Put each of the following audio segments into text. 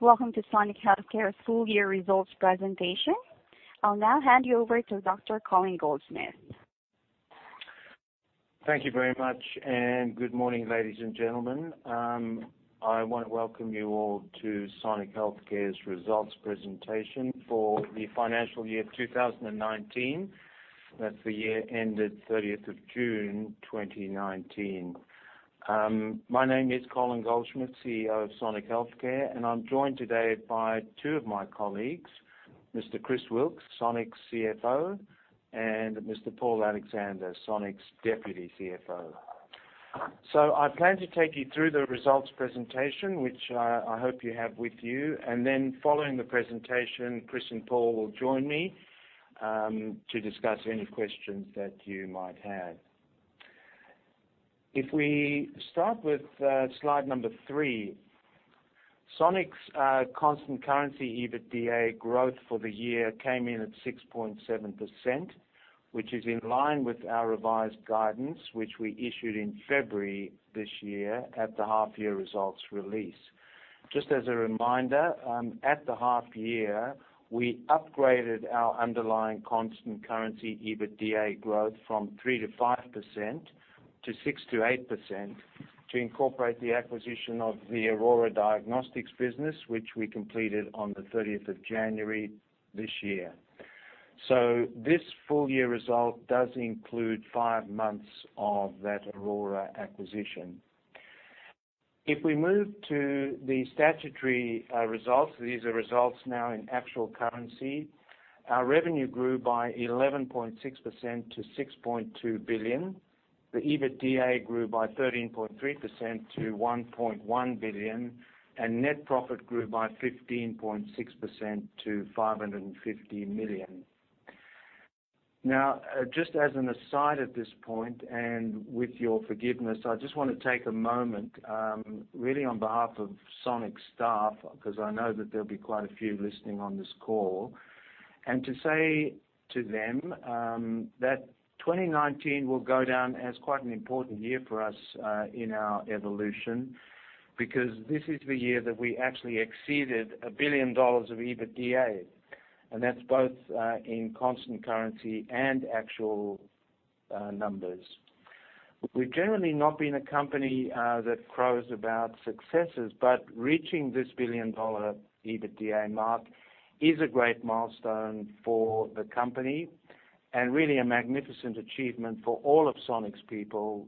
Welcome to Sonic Healthcare's full year results presentation. I'll now hand you over to Dr. Colin Goldschmidt. Thank you very much, good morning, ladies and gentlemen. I want to welcome you all to Sonic Healthcare's results presentation for the financial year 2019. That's the year ended 30th of June 2019. My name is Colin Goldschmidt, CEO of Sonic Healthcare, and I'm joined today by two of my colleagues, Mr. Chris Wilks, Sonic's CFO, and Mr. Paul Alexander, Sonic's deputy CFO. I plan to take you through the results presentation, which I hope you have with you, and then following the presentation, Chris and Paul will join me, to discuss any questions that you might have. If we start with slide number three. Sonic's constant currency EBITDA growth for the year came in at 6.7%, which is in line with our revised guidance, which we issued in February this year at the half year results release. Just as a reminder, at the half year, we upgraded our underlying constant currency EBITDA growth from 3%-5% to 6%-8%, to incorporate the acquisition of the Aurora Diagnostics business, which we completed on the 30th of January this year. This full-year result does include five months of that Aurora acquisition. If we move to the statutory results, these are results now in actual currency. Our revenue grew by 11.6% to 6.2 billion. The EBITDA grew by 13.3% to 1.1 billion, and net profit grew by 15.6% to 550 million. Now, just as an aside at this point, and with your forgiveness, I just want to take a moment, really on behalf of Sonic staff, because I know that there'll be quite a few listening on this call. To say to them that 2019 will go down as quite an important year for us, in our evolution, because this is the year that we actually exceeded 1 billion dollars of EBITDA, and that's both in constant currency and actual numbers. We've generally not been a company that crows about successes, but reaching this 1 billion dollar EBITDA mark is a great milestone for the company and really a magnificent achievement for all of Sonic's people,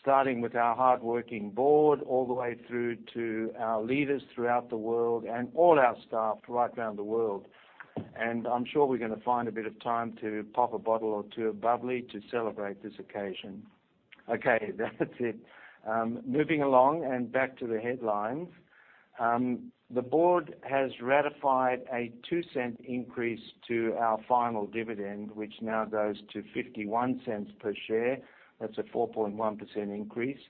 starting with our hardworking board, all the way through to our leaders throughout the world and all our staff right round the world. I'm sure we're going to find a bit of time to pop a bottle or two of bubbly to celebrate this occasion. Okay, that's it. Moving along and back to the headlines. The board has ratified a 0.02 increase to our final dividend, which now goes to 0.51 per share. That's a 4.1% increase,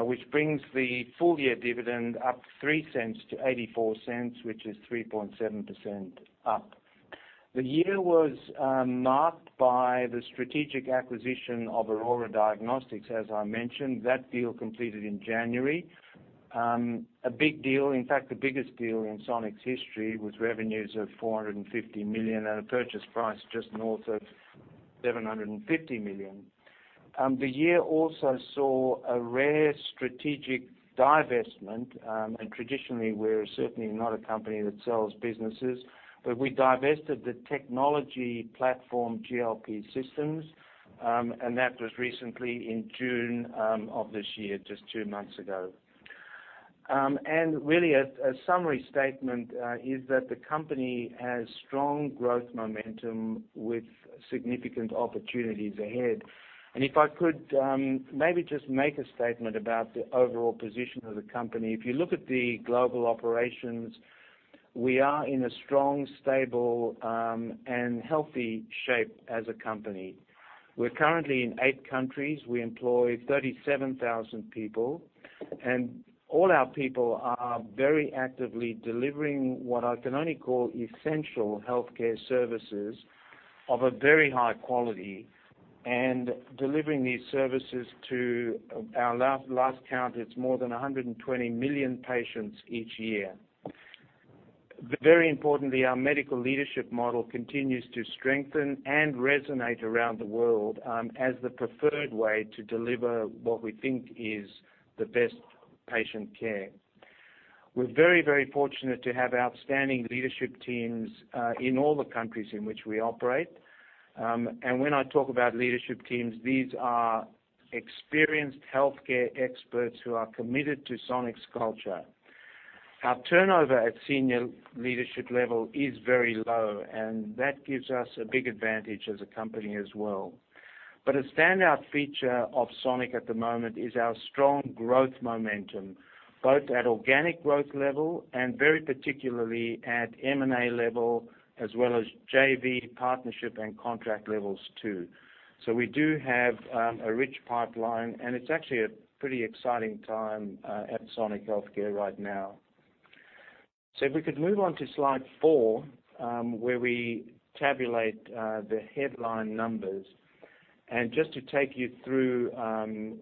which brings the full year dividend up 0.03 to 0.84, which is 3.7% up. The year was marked by the strategic acquisition of Aurora Diagnostics. As I mentioned, that deal completed in January. A big deal, in fact, the biggest deal in Sonic's history with revenues of 450 million and a purchase price just north of 750 million. The year also saw a rare strategic divestment. Traditionally, we're certainly not a company that sells businesses, but we divested the technology platform, GLP Systems, and that was recently in June of this year, just two months ago. Really a summary statement, is that the company has strong growth momentum with significant opportunities ahead. If I could maybe just make a statement about the overall position of the company. If you look at the global operations, we are in a strong, stable, and healthy shape as a company. We're currently in eight countries. We employ 37,000 people, and all our people are very actively delivering what I can only call essential healthcare services of a very high quality, and delivering these services to, our last count, it's more than 120 million patients each year. Very importantly, our medical leadership model continues to strengthen and resonate around the world, as the preferred way to deliver what we think is the best patient care. We're very fortunate to have outstanding leadership teams in all the countries in which we operate. When I talk about leadership teams, these are experienced healthcare experts who are committed to Sonic's culture. Our turnover at senior leadership level is very low, and that gives us a big advantage as a company as well. A standout feature of Sonic at the moment is our strong growth momentum, both at organic growth level and very particularly at M&A level, as well as JV partnership and contract levels too. We do have a rich pipeline, and it's actually a pretty exciting time at Sonic Healthcare right now. If we could move on to Slide 4, where we tabulate the headline numbers. Just to take you through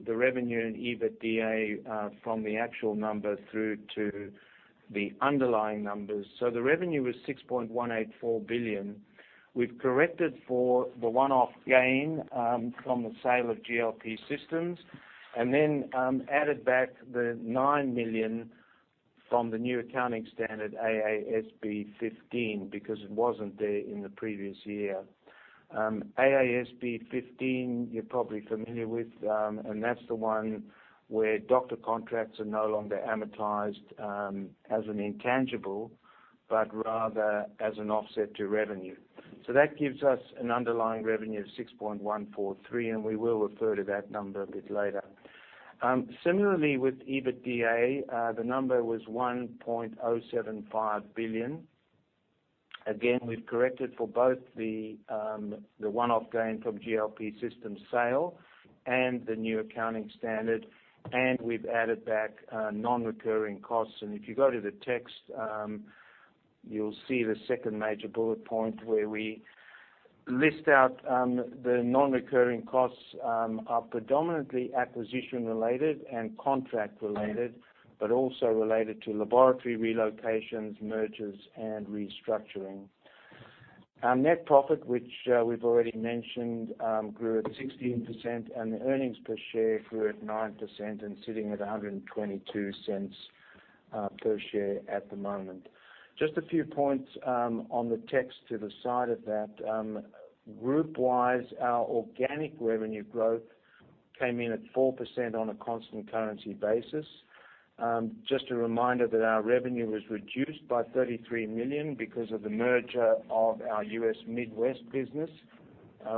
the revenue and EBITDA from the actual numbers through to the underlying numbers. The revenue was 6.184 billion. We've corrected for the one-off gain from the sale of GLP Systems, and then added back the 9 million from the new accounting standard, AASB 15, because it wasn't there in the previous year. AASB 15, you're probably familiar with, and that's the one where doctor contracts are no longer amortized as an intangible, but rather as an offset to revenue. That gives us an underlying revenue of 6.143, and we will refer to that number a bit later. Similarly, with EBITDA, the number was 1.075 billion. Again, we've corrected for both the one-off gain from GLP Systems sale and the new accounting standard, and we've added back non-recurring costs. If you go to the text, you'll see the second major bullet point where we list out the non-recurring costs are predominantly acquisition related and contract related, but also related to laboratory relocations, mergers and restructuring. Our net profit, which we've already mentioned, grew at 16%, and the earnings per share grew at 9% and sitting at 1.22 per share at the moment. Just a few points on the text to the side of that. Group-wise, our organic revenue growth came in at 4% on a constant currency basis. Just a reminder that our revenue was reduced by 33 million because of the merger of our U.S. Midwest business,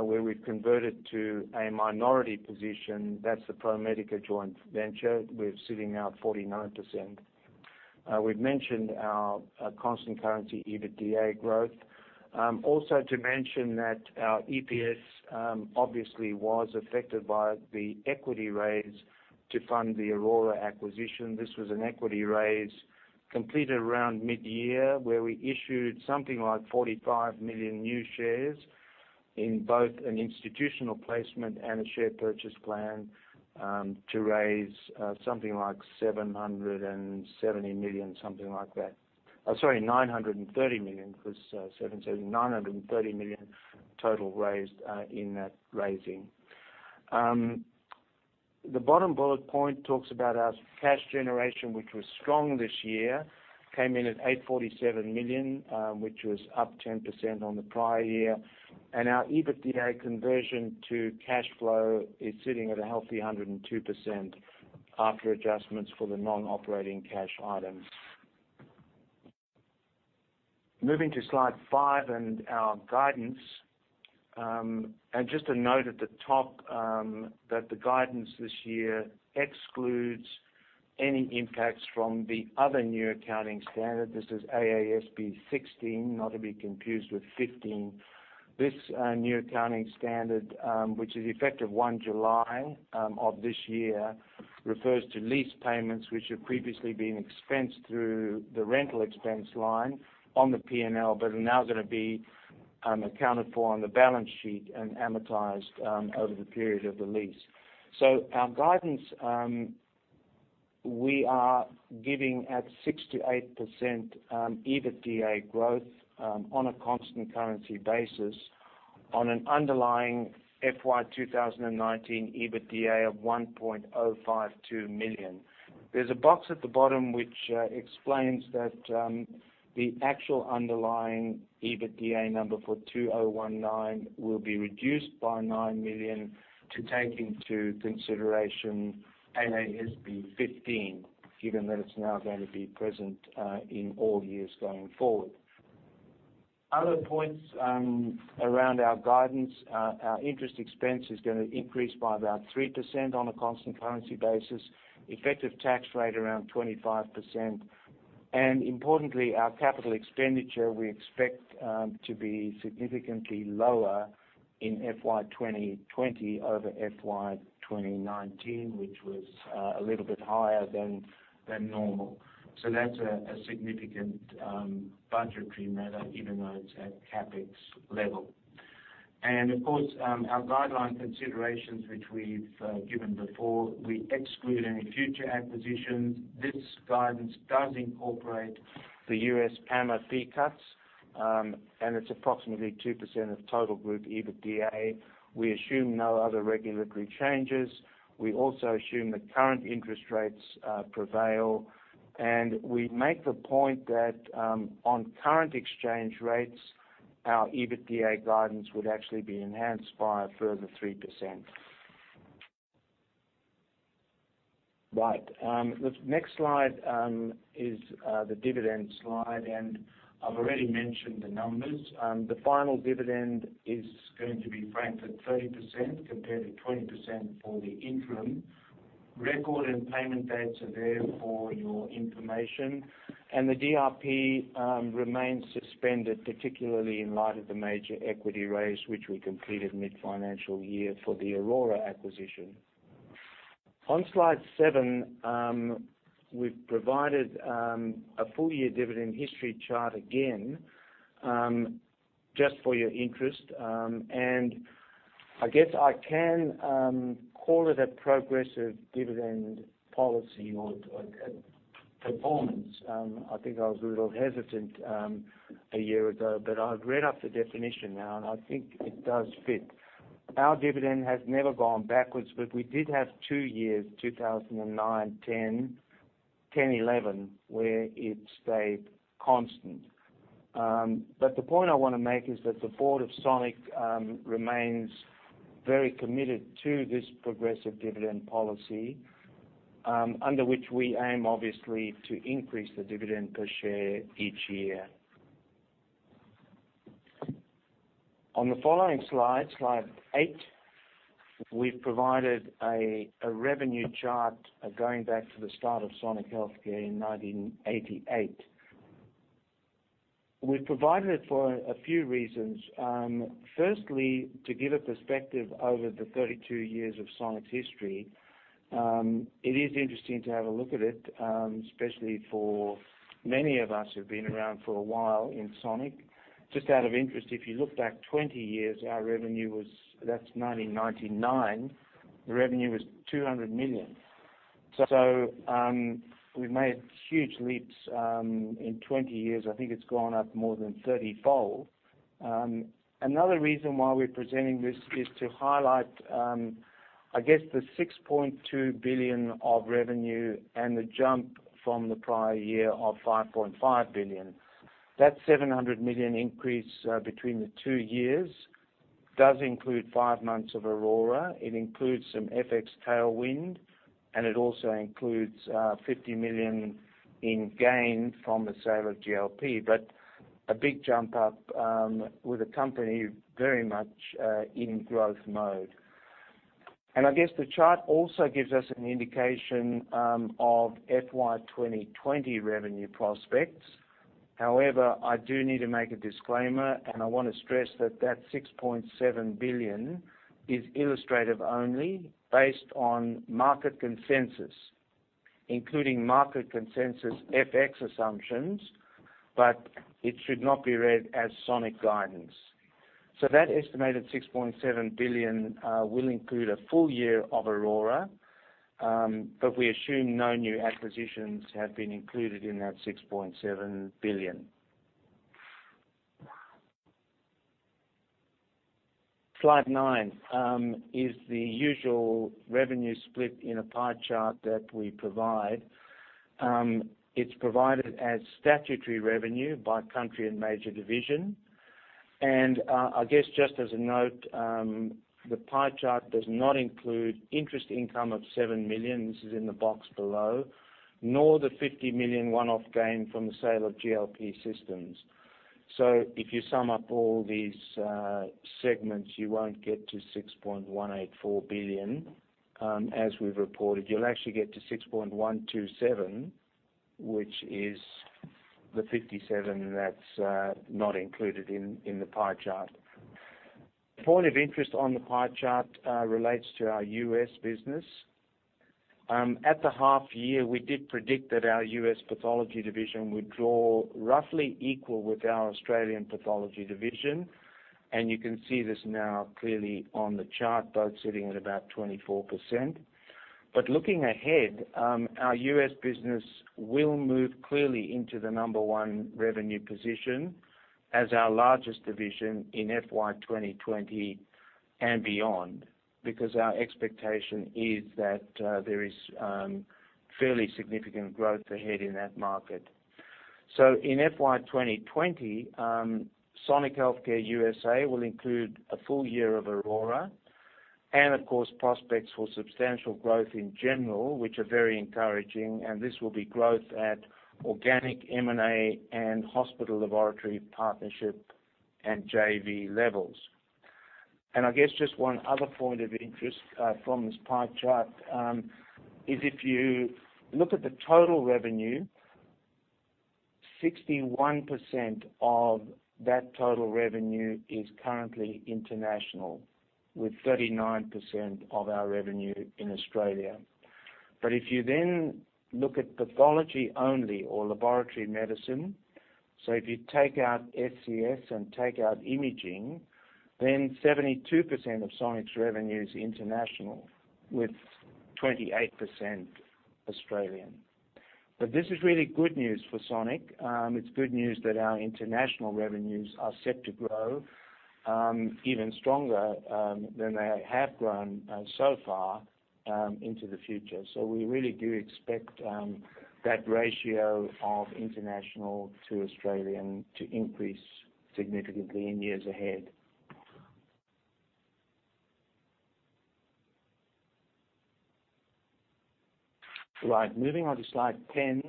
where we've converted to a minority position. That's the ProMedica joint venture. We're sitting now at 49%. We've mentioned our constant currency EBITDA growth. Also to mention that our EPS obviously was affected by the equity raise to fund the Aurora acquisition. This was an equity raise completed around mid-year where we issued something like 45 million new shares in both an institutional placement and a share purchase plan, to raise something like 770 million, something like that. Oh, sorry, 930 million. It was 770. 930 million total raised in that raising. The bottom bullet point talks about our cash generation, which was strong this year. Came in at 847 million, which was up 10% on the prior year. Our EBITDA conversion to cash flow is sitting at a healthy 102% after adjustments for the non-operating cash items. Moving to Slide five and our guidance. Just a note at the top that the guidance this year excludes any impacts from the other new accounting standard. This is AASB 16, not to be confused with 15. This new accounting standard, which is effective 1 July of this year, refers to lease payments which have previously been expensed through the rental expense line on the P&L, but are now going to be accounted for on the balance sheet and amortized over the period of the lease. Our guidance, we are giving at 6%-8% EBITDA growth on a constant currency basis on an underlying FY 2019 EBITDA of 1.052 million. There's a box at the bottom which explains that the actual underlying EBITDA number for 2019 will be reduced by 9 million to take into consideration AASB 15, given that it's now going to be present in all years going forward. Other points around our guidance. Our interest expense is going to increase by about 3% on a constant currency basis. Effective tax rate around 25%. Importantly, our capital expenditure we expect to be significantly lower in FY 2020 over FY 2019, which was a little bit higher than normal. That's a significant budgetary matter, even though it's at CapEx level. Of course, our guideline considerations, which we've given before, we exclude any future acquisitions. This guidance does incorporate the U.S. PAMA fee cuts, it's approximately 2% of total group EBITDA. We assume no other regulatory changes. We also assume that current interest rates prevail, we make the point that on current exchange rates, our EBITDA guidance would actually be enhanced by a further 3%. Right. The next slide is the dividend slide, I've already mentioned the numbers. The final dividend is going to be franked at 30%, compared to 20% for the interim. Record and payment dates are there for your information. The DRP remains suspended, particularly in light of the major equity raise which we completed mid-financial year for the Aurora acquisition. On slide seven, we've provided a full year dividend history chart again, just for your interest. I guess I can call it a progressive dividend policy or performance. I think I was a little hesitant a year ago, but I've read up the definition now, and I think it does fit. Our dividend has never gone backwards, but we did have two years, 2009, 2010, 2011, where it stayed constant. The point I want to make is that the board of Sonic remains very committed to this progressive dividend policy, under which we aim, obviously, to increase the dividend per share each year. On the following slide eight, we've provided a revenue chart going back to the start of Sonic Healthcare in 1988. We've provided it for a few reasons. Firstly, to give a perspective over the 32 years of Sonic's history. It is interesting to have a look at it, especially for many of us who've been around for a while in Sonic. Just out of interest, if you look back 20 years, our revenue was, that is 1999, the revenue was 200 million. We have made huge leaps in 20 years. I think it has gone up more than 30-fold. Another reason why we are presenting this is to highlight, I guess the 6.2 billion of revenue and the jump from the prior year of 5.5 billion. That 700 million increase between the 2 years does include 5 months of Aurora. It includes some FX tailwind, it also includes 50 million in gain from the sale of GLP. A big jump up with the company very much in growth mode. I guess the chart also gives us an indication of FY 2020 revenue prospects. I do need to make a disclaimer, and I want to stress that 6.7 billion is illustrative only based on market consensus, including market consensus FX assumptions, but it should not be read as Sonic guidance. That estimated 6.7 billion will include a full year of Aurora, but we assume no new acquisitions have been included in that 6.7 billion. Slide nine is the usual revenue split in a pie chart that we provide. It's provided as statutory revenue by country and major division. I guess, just as a note, the pie chart does not include interest income of 7 million, this is in the box below, nor the 50 million one-off gain from the sale of GLP Systems. If you sum up all these segments, you won't get to 6.184 billion as we've reported. You'll actually get to 6.127, which is the 57 that's not included in the pie chart. Point of interest on the pie chart relates to our U.S. business. At the half year, we did predict that our U.S. Pathology Division would draw roughly equal with our Australian Pathology Division, and you can see this now clearly on the chart, both sitting at about 24%. Looking ahead, our U.S. business will move clearly into the number 1 revenue position as our largest division in FY 2020 and beyond, because our expectation is that there is fairly significant growth ahead in that market. In FY 2020, Sonic Healthcare USA will include a full year of Aurora and, of course, prospects for substantial growth in general, which are very encouraging, and this will be growth at organic M&A and hospital laboratory partnership and JV levels. I guess just one other point of interest from this pie chart is if you look at the total revenue, 61% of that total revenue is currently international, with 39% of our revenue in Australia. If you then look at pathology only or laboratory medicine, so if you take out SCS and take out imaging, then 72% of Sonic's revenue is international, with 28% Australian. This is really good news for Sonic. It's good news that our international revenues are set to grow, even stronger than they have grown so far into the future. We really do expect that ratio of international to Australian to increase significantly in years ahead. Moving on to slide 10.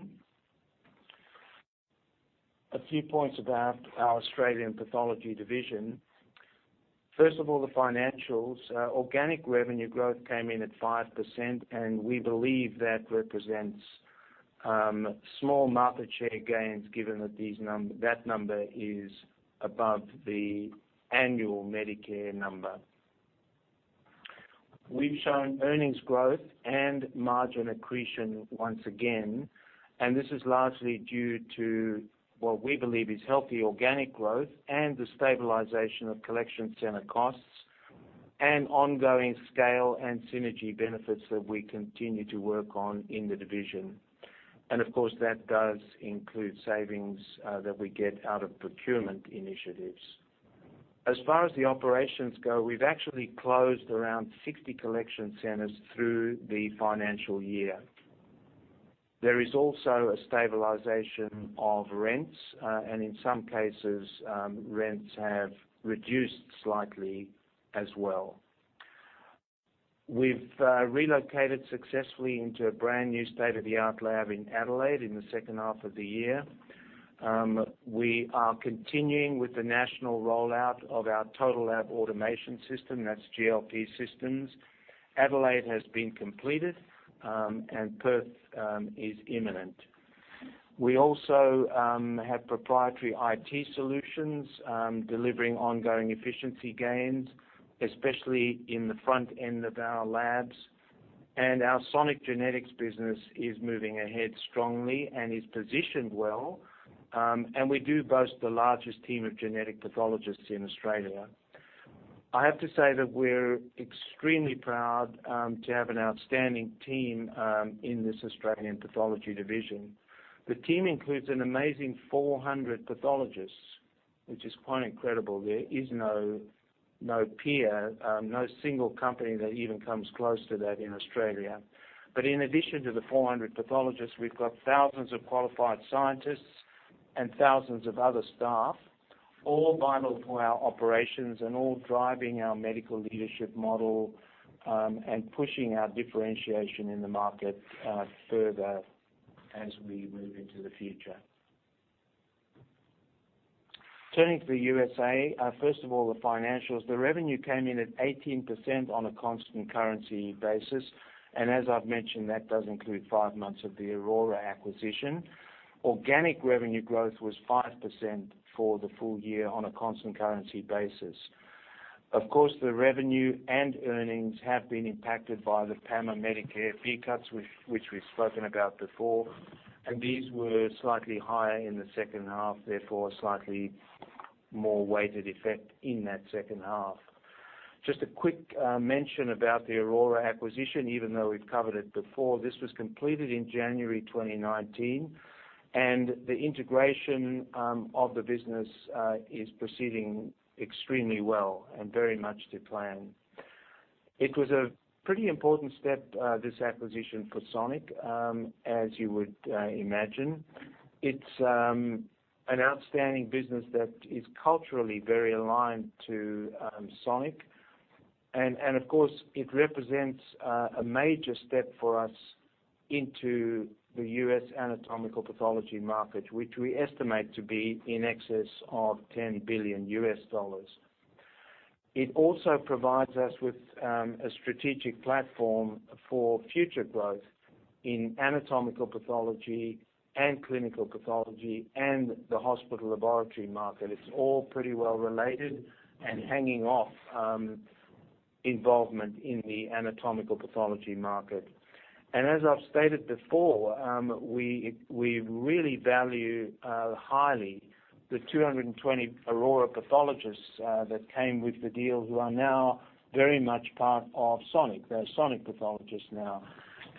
A few points about our Australian pathology division. First of all, the financials. Organic revenue growth came in at 5%. We believe that represents small market share gains, given that that number is above the annual Medicare number. We've shown earnings growth and margin accretion once again. This is largely due to what we believe is healthy organic growth and the stabilization of collection center costs and ongoing scale and synergy benefits that we continue to work on in the division. Of course, that does include savings that we get out of procurement initiatives. As far as the operations go, we've actually closed around 60 collection centers through the financial year. There is also a stabilization of rents. In some cases, rents have reduced slightly as well. We've relocated successfully into a brand-new state-of-the-art lab in Adelaide in the second half of the year. We are continuing with the national rollout of our total lab automation system, that's GLP Systems. Adelaide has been completed, and Perth is imminent. We also have proprietary IT solutions delivering ongoing efficiency gains, especially in the front end of our labs. Our Sonic Genetics business is moving ahead strongly and is positioned well. We do boast the largest team of genetic pathologists in Australia. I have to say that we're extremely proud to have an outstanding team in this Australian pathology division. The team includes an amazing 400 pathologists, which is quite incredible. There is no peer, no single company that even comes close to that in Australia. In addition to the 400 pathologists, we've got thousands of qualified scientists and thousands of other staff, all vital to our operations and all driving our medical leadership model, and pushing our differentiation in the market further as we move into the future. Turning to the USA, first of all, the financials. The revenue came in at 18% on a constant currency basis. As I've mentioned, that does include five months of the Aurora acquisition. Organic revenue growth was 5% for the full year on a constant currency basis. Of course, the revenue and earnings have been impacted by the PAMA Medicare fee cuts, which we've spoken about before. These were slightly higher in the second half, therefore, a slightly more weighted effect in that second half. Just a quick mention about the Aurora acquisition, even though we've covered it before. This was completed in January 2019, and the integration of the business is proceeding extremely well and very much to plan. It was a pretty important step, this acquisition for Sonic, as you would imagine. It's an outstanding business that is culturally very aligned to Sonic. Of course, it represents a major step for us into the U.S. anatomical pathology market, which we estimate to be in excess of $10 billion. It also provides us with a strategic platform for future growth in anatomical pathology and clinical pathology and the hospital laboratory market. It's all pretty well related and hanging off involvement in the anatomical pathology market. As I've stated before, we really value highly the 220 Aurora pathologists that came with the deal who are now very much part of Sonic. They're Sonic pathologists now.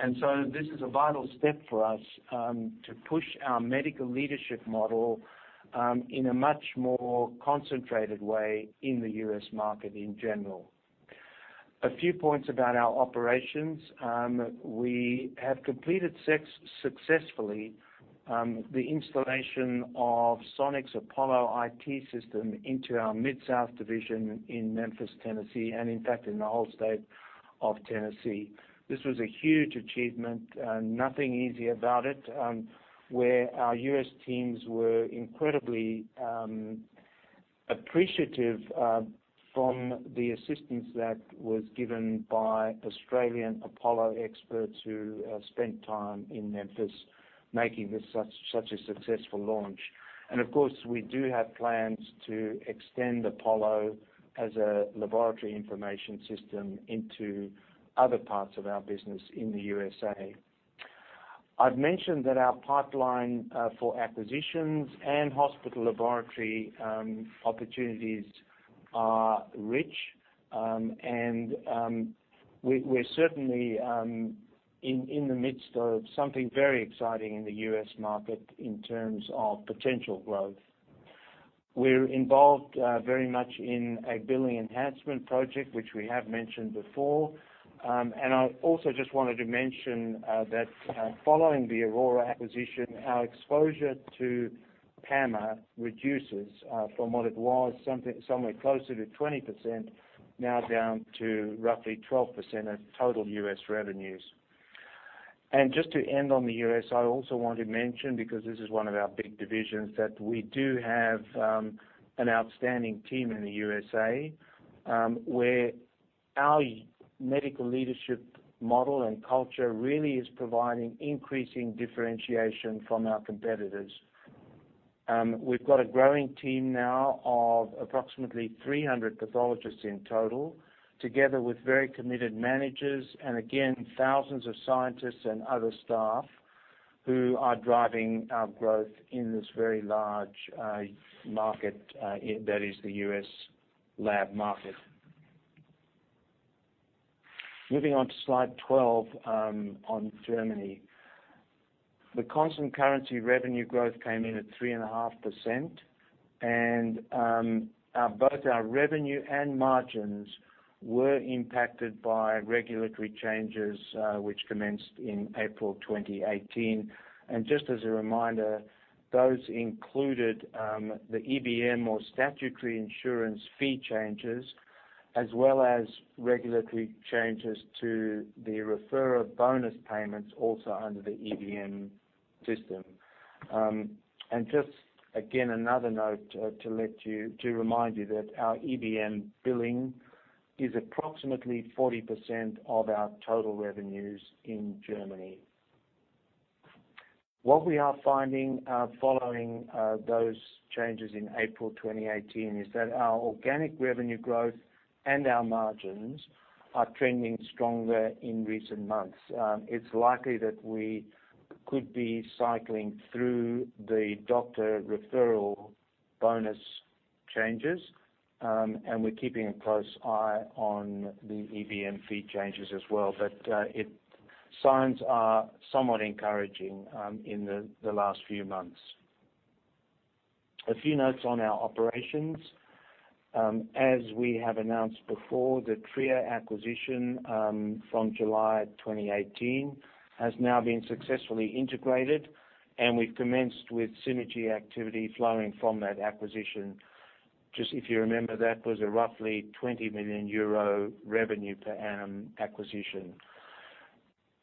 This is a vital step for us to push our medical leadership model in a much more concentrated way in the U.S. market in general. A few points about our operations. We have completed successfully the installation of Sonic's Apollo IT system into our MidSouth Division in Memphis, Tennessee, and in fact, in the whole state of Tennessee. This was a huge achievement, nothing easy about it, where our U.S. teams were incredibly appreciative from the assistance that was given by Australian Apollo experts who spent time in Memphis making this such a successful launch. Of course, we do have plans to extend Apollo as a laboratory information system into other parts of our business in the U.S. I've mentioned that our pipeline for acquisitions and hospital laboratory opportunities are rich. We're certainly in the midst of something very exciting in the U.S. market in terms of potential growth. We're involved very much in a billing enhancement project, which we have mentioned before. I also just wanted to mention that following the Aurora acquisition, our exposure to PAMA reduces from what it was, somewhere closer to 20%, now down to roughly 12% of total U.S. revenues. Just to end on the U.S., I also want to mention, because this is one of our big divisions, that we do have an outstanding team in the U.S.A., where our medical leadership model and culture really is providing increasing differentiation from our competitors. We've got a growing team now of approximately 300 pathologists in total, together with very committed managers and, again, thousands of scientists and other staff who are driving our growth in this very large market, that is the U.S. lab market. Moving on to slide 12 on Germany. The constant currency revenue growth came in at 3.5%, and both our revenue and margins were impacted by regulatory changes, which commenced in April 2018. Just as a reminder, those included the EBM or statutory insurance fee changes, as well as regulatory changes to the referrer bonus payments also under the EBM system. Just again, another note to remind you that our EBM billing is approximately 40% of our total revenues in Germany. What we are finding, following those changes in April 2018, is that our organic revenue growth and our margins are trending stronger in recent months. It's likely that we could be cycling through the doctor referral bonus changes, and we're keeping a close eye on the EBM fee changes as well. Signs are somewhat encouraging in the last few months. A few notes on our operations. As we have announced before, the Trier acquisition from July 2018 has now been successfully integrated, and we've commenced with synergy activity flowing from that acquisition. Just if you remember, that was a roughly 20 million euro revenue per annum acquisition.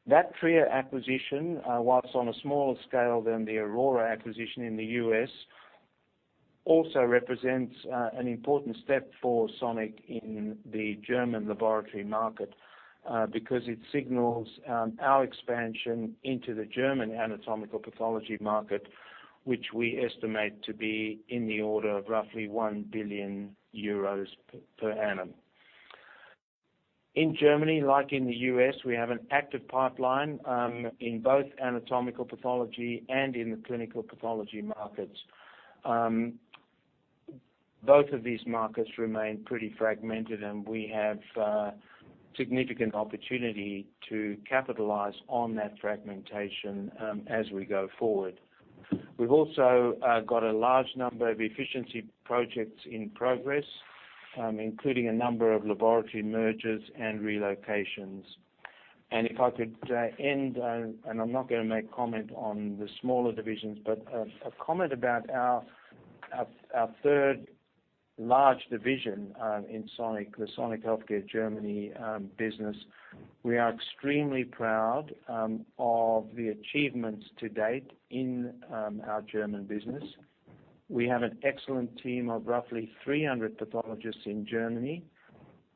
That Pathologie Trier acquisition, whilst on a smaller scale than the Aurora acquisition in the U.S., also represents an important step for Sonic in the German laboratory market, because it signals our expansion into the German anatomical pathology market, which we estimate to be in the order of roughly 1 billion euros per annum. In Germany, like in the U.S., we have an active pipeline in both anatomical pathology and in the clinical pathology markets. Both of these markets remain pretty fragmented, we have significant opportunity to capitalize on that fragmentation as we go forward. We've also got a large number of efficiency projects in progress, including a number of laboratory mergers and relocations. If I could end, I'm not going to make comment on the smaller divisions, but a comment about our third large division in Sonic, the Sonic Healthcare Germany business. We are extremely proud of the achievements to date in our German business. We have an excellent team of roughly 300 pathologists in Germany,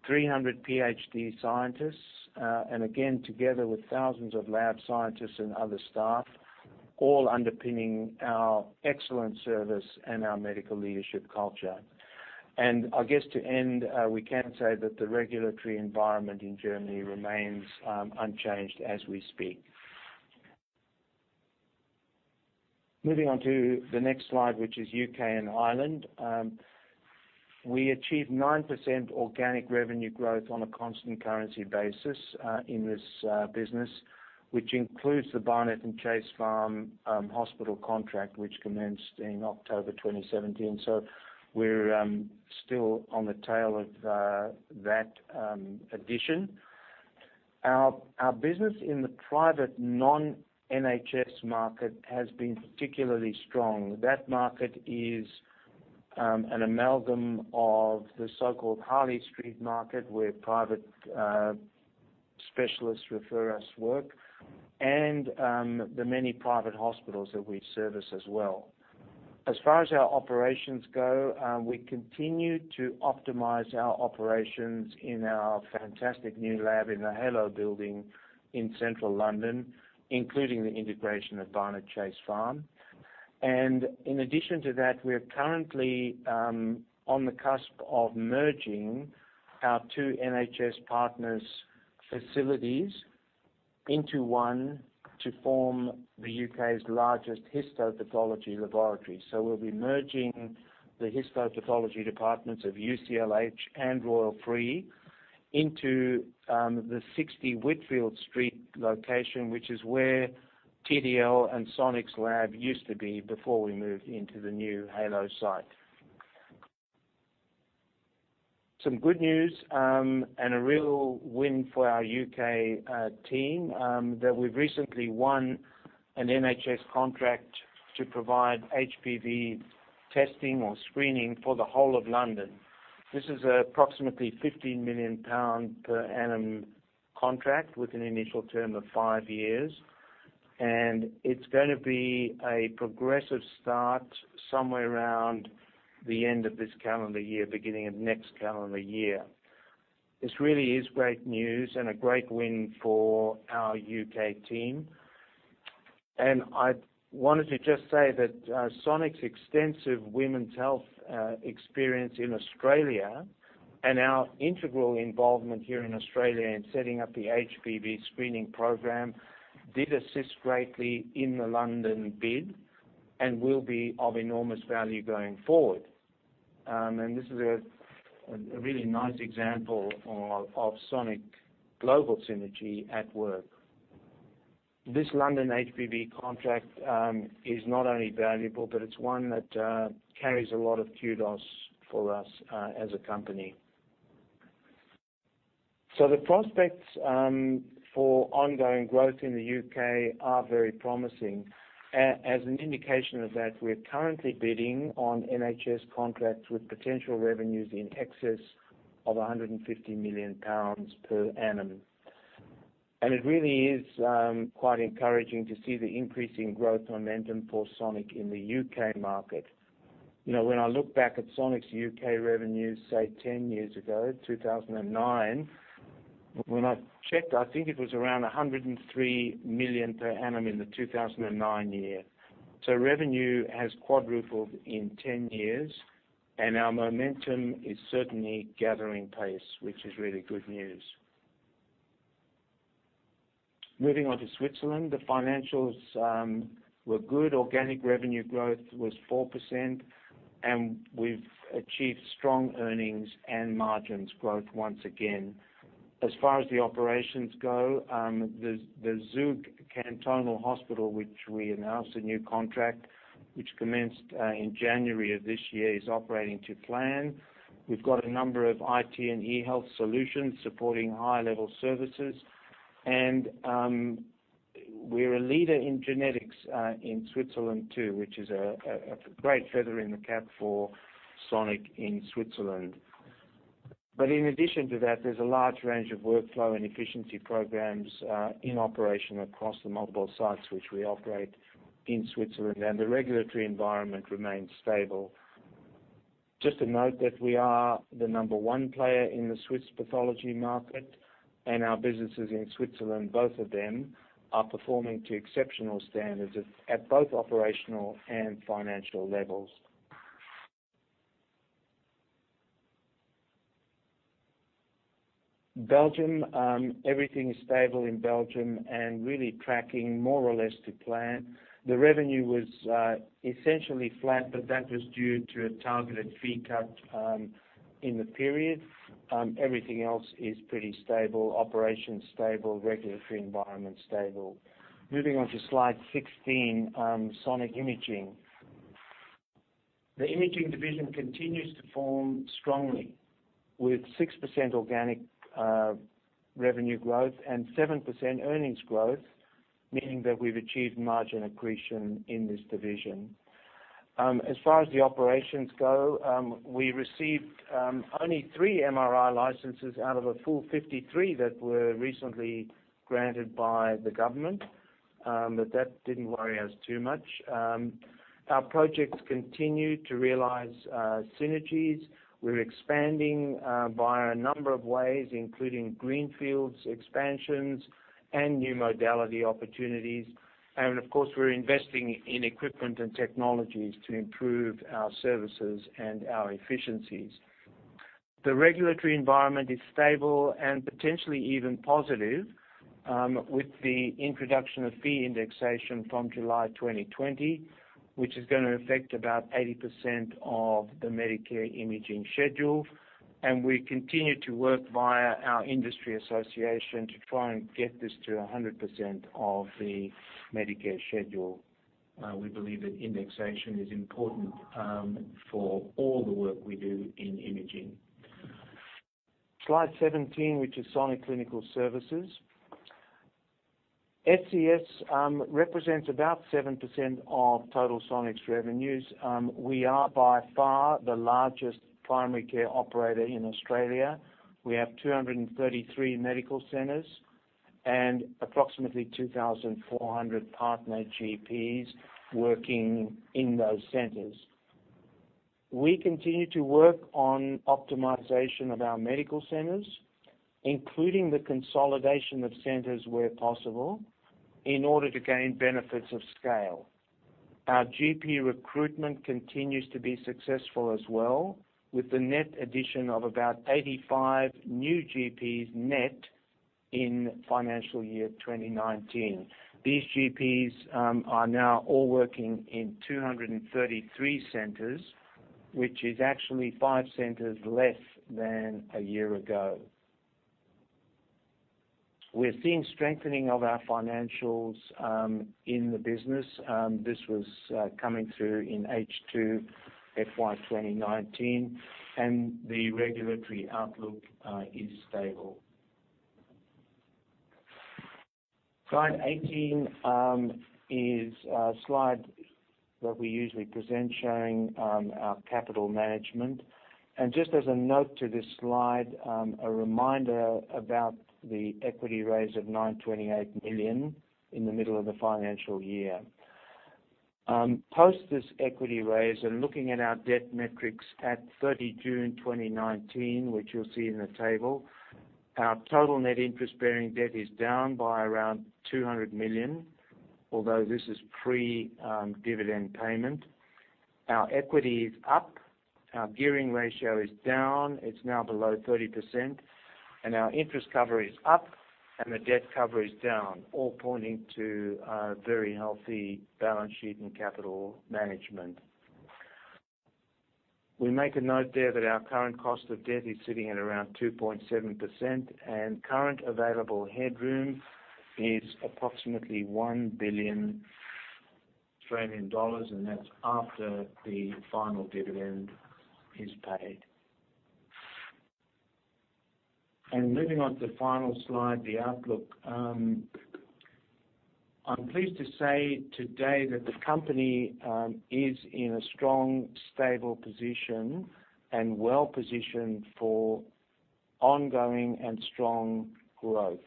300 PhD scientists, and again, together with thousands of lab scientists and other staff, all underpinning our excellent service and our medical leadership culture. I guess to end, we can say that the regulatory environment in Germany remains unchanged as we speak. Moving on to the next slide, which is U.K. and Ireland. We achieved 9% organic revenue growth on a constant currency basis in this business, which includes the Barnet and Chase Farm Hospital contract, which commenced in October 2017. We're still on the tail of that addition. Our business in the private non-NHS market has been particularly strong. That market is an amalgam of the so-called Harley Street market, where private specialists refer us work, and the many private hospitals that we service as well. In addition to that, we continue to optimize our operations in our fantastic new lab in the Halo building in central London, including the integration of Barnet Chase Farm. In addition to that, we're currently on the cusp of merging our two NHS partners' facilities into one to form the U.K.'s largest histopathology laboratory. We'll be merging the histopathology departments of UCLH and Royal Free into the 60 Whitfield Street location, which is where TDL and Sonic's lab used to be before we moved into the new Halo site. Some good news and a real win for our U.K. team, that we've recently won an NHS contract to provide HPV testing or screening for the whole of London. This is approximately 15 million pound per annum contract with an initial term of five years. It's going to be a progressive start somewhere around the end of this calendar year, beginning of next calendar year. This really is great news and a great win for our U.K. team. I wanted to just say that Sonic's extensive women's health experience in Australia and our integral involvement here in Australia in setting up the HPV screening program did assist greatly in the London bid and will be of enormous value going forward. This is a really nice example of Sonic global synergy at work. This London HPV contract is not only valuable, but it's one that carries a lot of kudos for us as a company. The prospects for ongoing growth in the U.K. are very promising. As an indication of that, we're currently bidding on NHS contracts with potential revenues in excess of 150 million pounds per annum. It really is quite encouraging to see the increasing growth momentum for Sonic in the U.K. market. When I look back at Sonic's U.K. revenues, say, 10 years ago, 2009, when I checked, I think it was around 103 million per annum in the 2009 year. Revenue has quadrupled in 10 years, and our momentum is certainly gathering pace, which is really good news. Moving on to Switzerland, the financials were good. Organic revenue growth was 4%, and we've achieved strong earnings and margins growth once again. As far as the operations go, the Zuger Kantonsspital, which we announced a new contract, which commenced in January of this year, is operating to plan. We've got a number of IT and e-Health solutions supporting high-level services. We're a leader in genetics in Switzerland, too, which is a great feather in the cap for Sonic in Switzerland. In addition to that, there's a large range of workflow and efficiency programs in operation across the multiple sites which we operate in Switzerland, and the regulatory environment remains stable. Just to note that we are the number one player in the Swiss pathology market, and our businesses in Switzerland, both of them, are performing to exceptional standards at both operational and financial levels. Belgium, everything is stable in Belgium and really tracking more or less to plan. The revenue was essentially flat, but that was due to a targeted fee cut in the period. Everything else is pretty stable. Operations stable, regulatory environment stable. Moving on to slide 16, Sonic Imaging. The imaging division continues to form strongly with 6% organic revenue growth and 7% earnings growth, meaning that we've achieved margin accretion in this division. As far as the operations go, we received only three MRI licenses out of a full 53 that were recently granted by the government. That didn't worry us too much. Our projects continue to realize synergies. We're expanding via a number of ways, including greenfields, expansions, and new modality opportunities. Of course, we're investing in equipment and technologies to improve our services and our efficiencies. The regulatory environment is stable and potentially even positive with the introduction of fee indexation from July 2020, which is going to affect about 80% of the Medicare imaging schedule. We continue to work via our industry association to try and get this to 100% of the Medicare schedule. We believe that indexation is important for all the work we do in imaging. Slide 17, which is Sonic Clinical Services. SCS represents about 7% of total Sonic's revenues. We are by far the largest primary care operator in Australia. We have 233 medical centers and approximately 2,400 partner GPs working in those centers. We continue to work on optimization of our medical centers, including the consolidation of centers where possible in order to gain benefits of scale. Our GP recruitment continues to be successful as well, with the net addition of about 85 new GPs net in financial year 2019. These GPs are now all working in 233 centers, which is actually five centers less than a year ago. We're seeing strengthening of our financials in the business. This was coming through in H2 FY 2019, and the regulatory outlook is stable. Slide 18 is a slide that we usually present showing our capital management. Just as a note to this slide, a reminder about the equity raise of 928 million in the middle of the financial year. Post this equity raise and looking at our debt metrics at 30 June 2019, which you will see in the table, our total net interest-bearing debt is down by around 200 million. Although this is pre-dividend payment. Our equity is up, our gearing ratio is down, it is now below 30%, and our interest cover is up, and the debt cover is down. All pointing to a very healthy balance sheet in capital management. We make a note there that our current cost of debt is sitting at around 2.7%, and current available headroom is approximately 1 billion Australian dollars, and that is after the final dividend is paid. Moving on to the final slide, the outlook. I'm pleased to say today that the company is in a strong, stable position and well-positioned for ongoing and strong growth.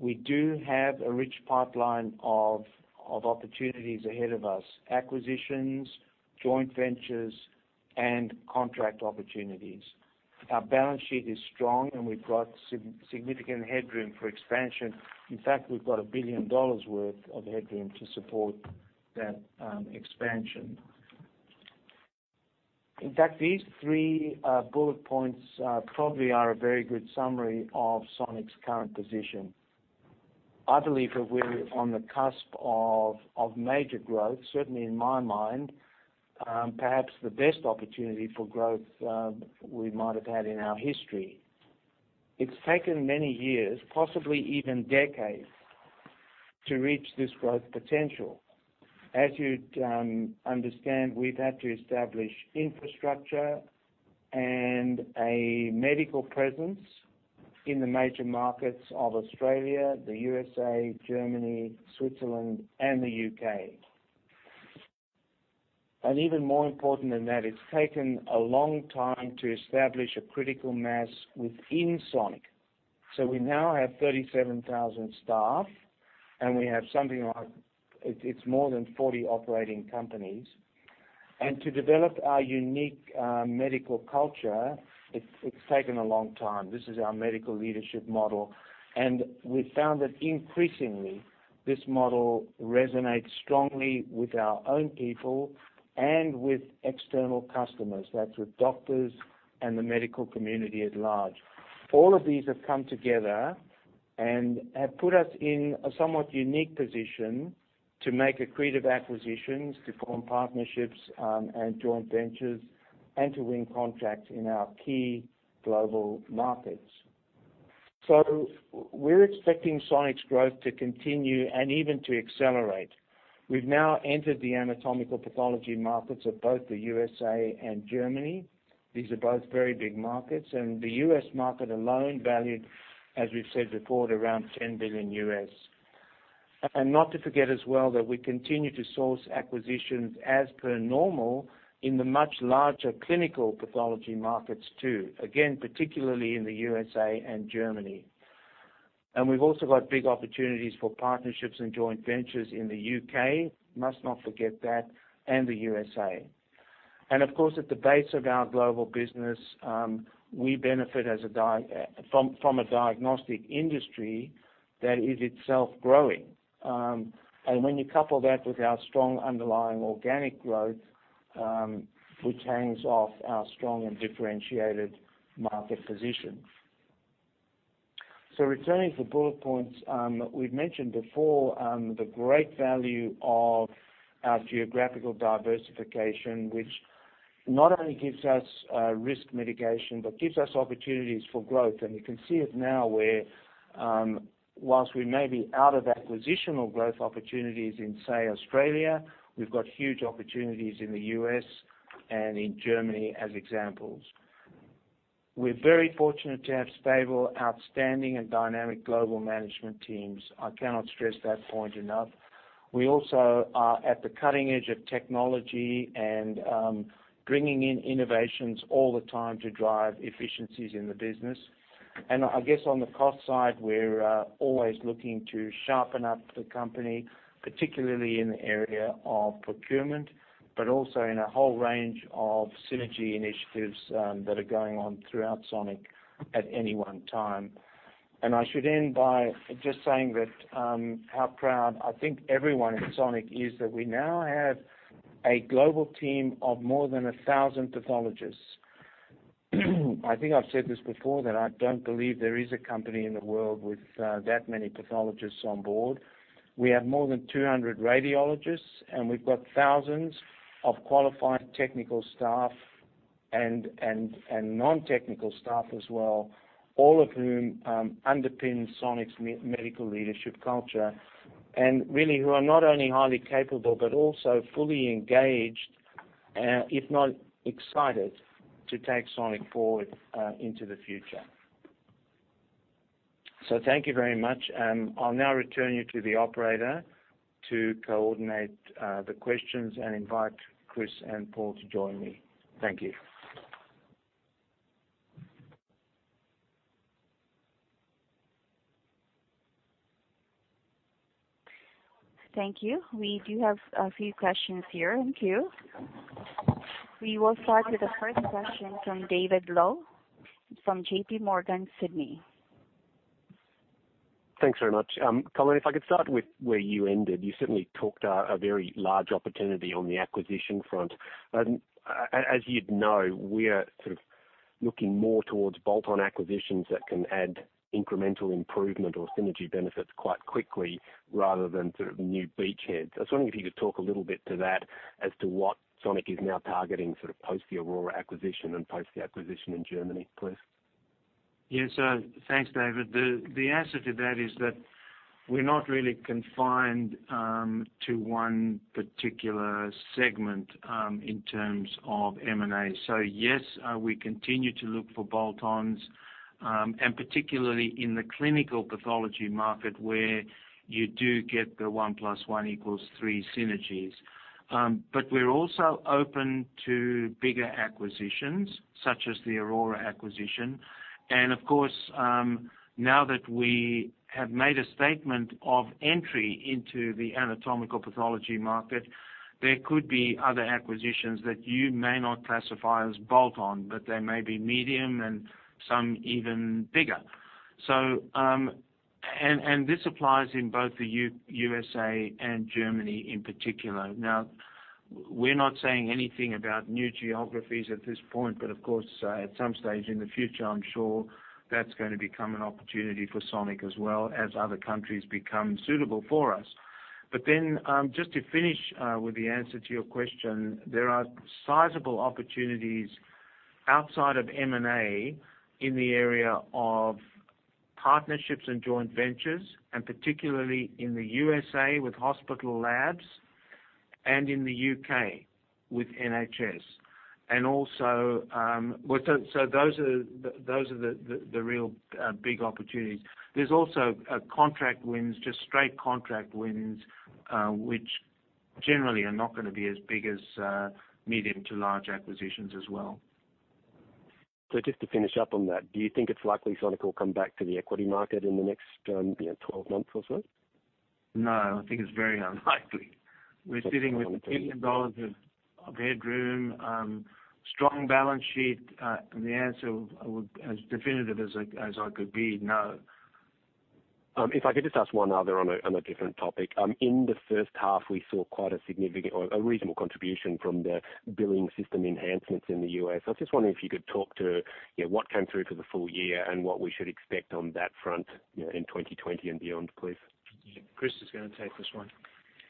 We do have a rich pipeline of opportunities ahead of us, acquisitions, joint ventures, and contract opportunities. Our balance sheet is strong, and we've got significant headroom for expansion. In fact, we've got 1 billion dollars worth of headroom to support that expansion. In fact, these three bullet points probably are a very good summary of Sonic's current position. I believe that we're on the cusp of major growth, certainly in my mind. Perhaps the best opportunity for growth we might have had in our history. It's taken many years, possibly even decades, to reach this growth potential. As you'd understand, we've had to establish infrastructure and a medical presence in the major markets of Australia, the U.S.A., Germany, Switzerland, and the U.K. Even more important than that, it's taken a long time to establish a critical mass within Sonic. We now have 37,000 staff, and we have something like, it's more than 40 operating companies. To develop our unique medical culture, it's taken a long time. This is our medical leadership model. We found that increasingly, this model resonates strongly with our own people and with external customers, that's with doctors and the medical community at large. All of these have come together and have put us in a somewhat unique position to make accretive acquisitions, to form partnerships, and joint ventures, and to win contracts in our key global markets. We're expecting Sonic's growth to continue and even to accelerate. We've now entered the anatomical pathology markets of both the U.S.A. and Germany. These are both very big markets. The U.S. market alone valued, as we've said before, around $10 billion U.S. Not to forget as well that we continue to source acquisitions as per normal in the much larger clinical pathology markets too, again, particularly in the U.S.A. and Germany. We've also got big opportunities for partnerships and joint ventures in the U.K., must not forget that, and the U.S.A. Of course, at the base of our global business, we benefit from a diagnostic industry that is itself growing. When you couple that with our strong underlying organic growth, which hangs off our strong and differentiated market position. Returning to the bullet points, we've mentioned before, the great value of our geographical diversification, which not only gives us risk mitigation, but gives us opportunities for growth. You can see it now where, whilst we may be out of acquisitional growth opportunities in, say, Australia, we've got huge opportunities in the U.S. and in Germany as examples. We're very fortunate to have stable, outstanding, and dynamic global management teams. I cannot stress that point enough. We also are at the cutting edge of technology and bringing in innovations all the time to drive efficiencies in the business. I guess on the cost side, we're always looking to sharpen up the company, particularly in the area of procurement, but also in a whole range of synergy initiatives that are going on throughout Sonic at any one time. I should end by just saying that how proud I think everyone in Sonic is that we now have a global team of more than 1,000 pathologists. I think I've said this before, that I don't believe there is a company in the world with that many pathologists on board. We have more than 200 radiologists, and we've got thousands of qualified technical staff and non-technical staff as well, all of whom underpin Sonic's medical leadership culture. Really, who are not only highly capable but also fully engaged, if not excited, to take Sonic forward into the future. So thank you very much. I'll now return you to the operator to coordinate the questions and invite Chris and Paul to join me. Thank you. Thank you. We do have a few questions here in queue. We will start with the first question from David Low from JPMorgan, Sydney. Thanks very much. Colin, if I could start with where you ended. You certainly talked a very large opportunity on the acquisition front. As you'd know, we're sort of looking more towards bolt-on acquisitions that can add incremental improvement or synergy benefits quite quickly rather than sort of new beachheads. I was wondering if you could talk a little bit to that as to what Sonic is now targeting, sort of post the Aurora acquisition and post the acquisition in Germany, please. Yes. Thanks, David. The answer to that is that we're not really confined to one particular segment, in terms of M&A. Yes, we continue to look for bolt-ons, and particularly in the clinical pathology market, where you do get the one plus one equals three synergies. We're also open to bigger acquisitions, such as the Aurora acquisition. Of course, now that we have made a statement of entry into the anatomical pathology market, there could be other acquisitions that you may not classify as bolt-on, but they may be medium and some even bigger. This applies in both the USA and Germany in particular. We're not saying anything about new geographies at this point, but of course, at some stage in the future, I'm sure that's going to become an opportunity for Sonic as well as other countries become suitable for us. Just to finish with the answer to your question, there are sizable opportunities outside of M&A in the area of partnerships and joint ventures, and particularly in the U.S.A. with hospital labs and in the U.K. with NHS. Those are the real big opportunities. There's also contract wins, just straight contract wins, which generally are not going to be as big as medium to large acquisitions as well. Just to finish up on that, do you think it's likely Sonic will come back to the equity market in the next, 12 months or so? No, I think it's very unlikely. We're sitting with 1 billion dollars of headroom, strong balance sheet. The answer, as definitive as I could be, no. If I could just ask one other on a different topic. In the first half, we saw quite a significant or a reasonable contribution from the billing system enhancements in the U.S. I was just wondering if you could talk to what came through for the full year and what we should expect on that front, in 2020 and beyond, please. Chris is going to take this one.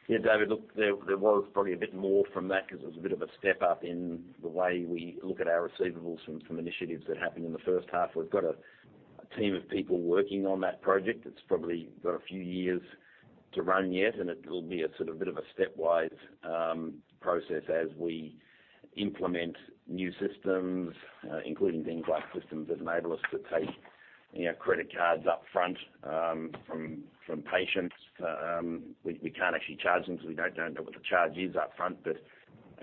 Yeah, David, look, there was probably a bit more from that because it was a bit of a step-up in the way we look at our receivables from initiatives that happened in the first half. We've got a team of people working on that project. It's probably got a few years to run yet, and it'll be a sort of, bit of a stepwise process as we implement new systems, including things like systems that enable us to take credit cards up front from patients. We can't actually charge them because we don't know what the charge is up front, but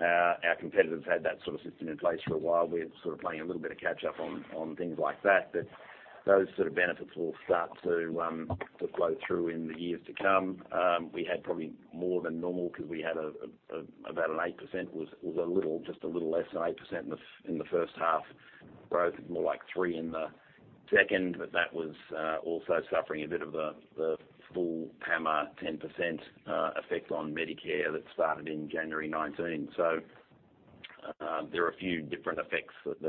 our competitors had that sort of system in place for a while. We're sort of playing a little bit of catch up on things like that, but those sort of benefits will start to flow through in the years to come. We had probably more than normal because we had about an 8%, or a little, just a little less than 8% in the first half growth, more like 3% in the second. That was also suffering a bit of the full PAMA 10% effect on Medicare that started in January 2019. There are a few different effects that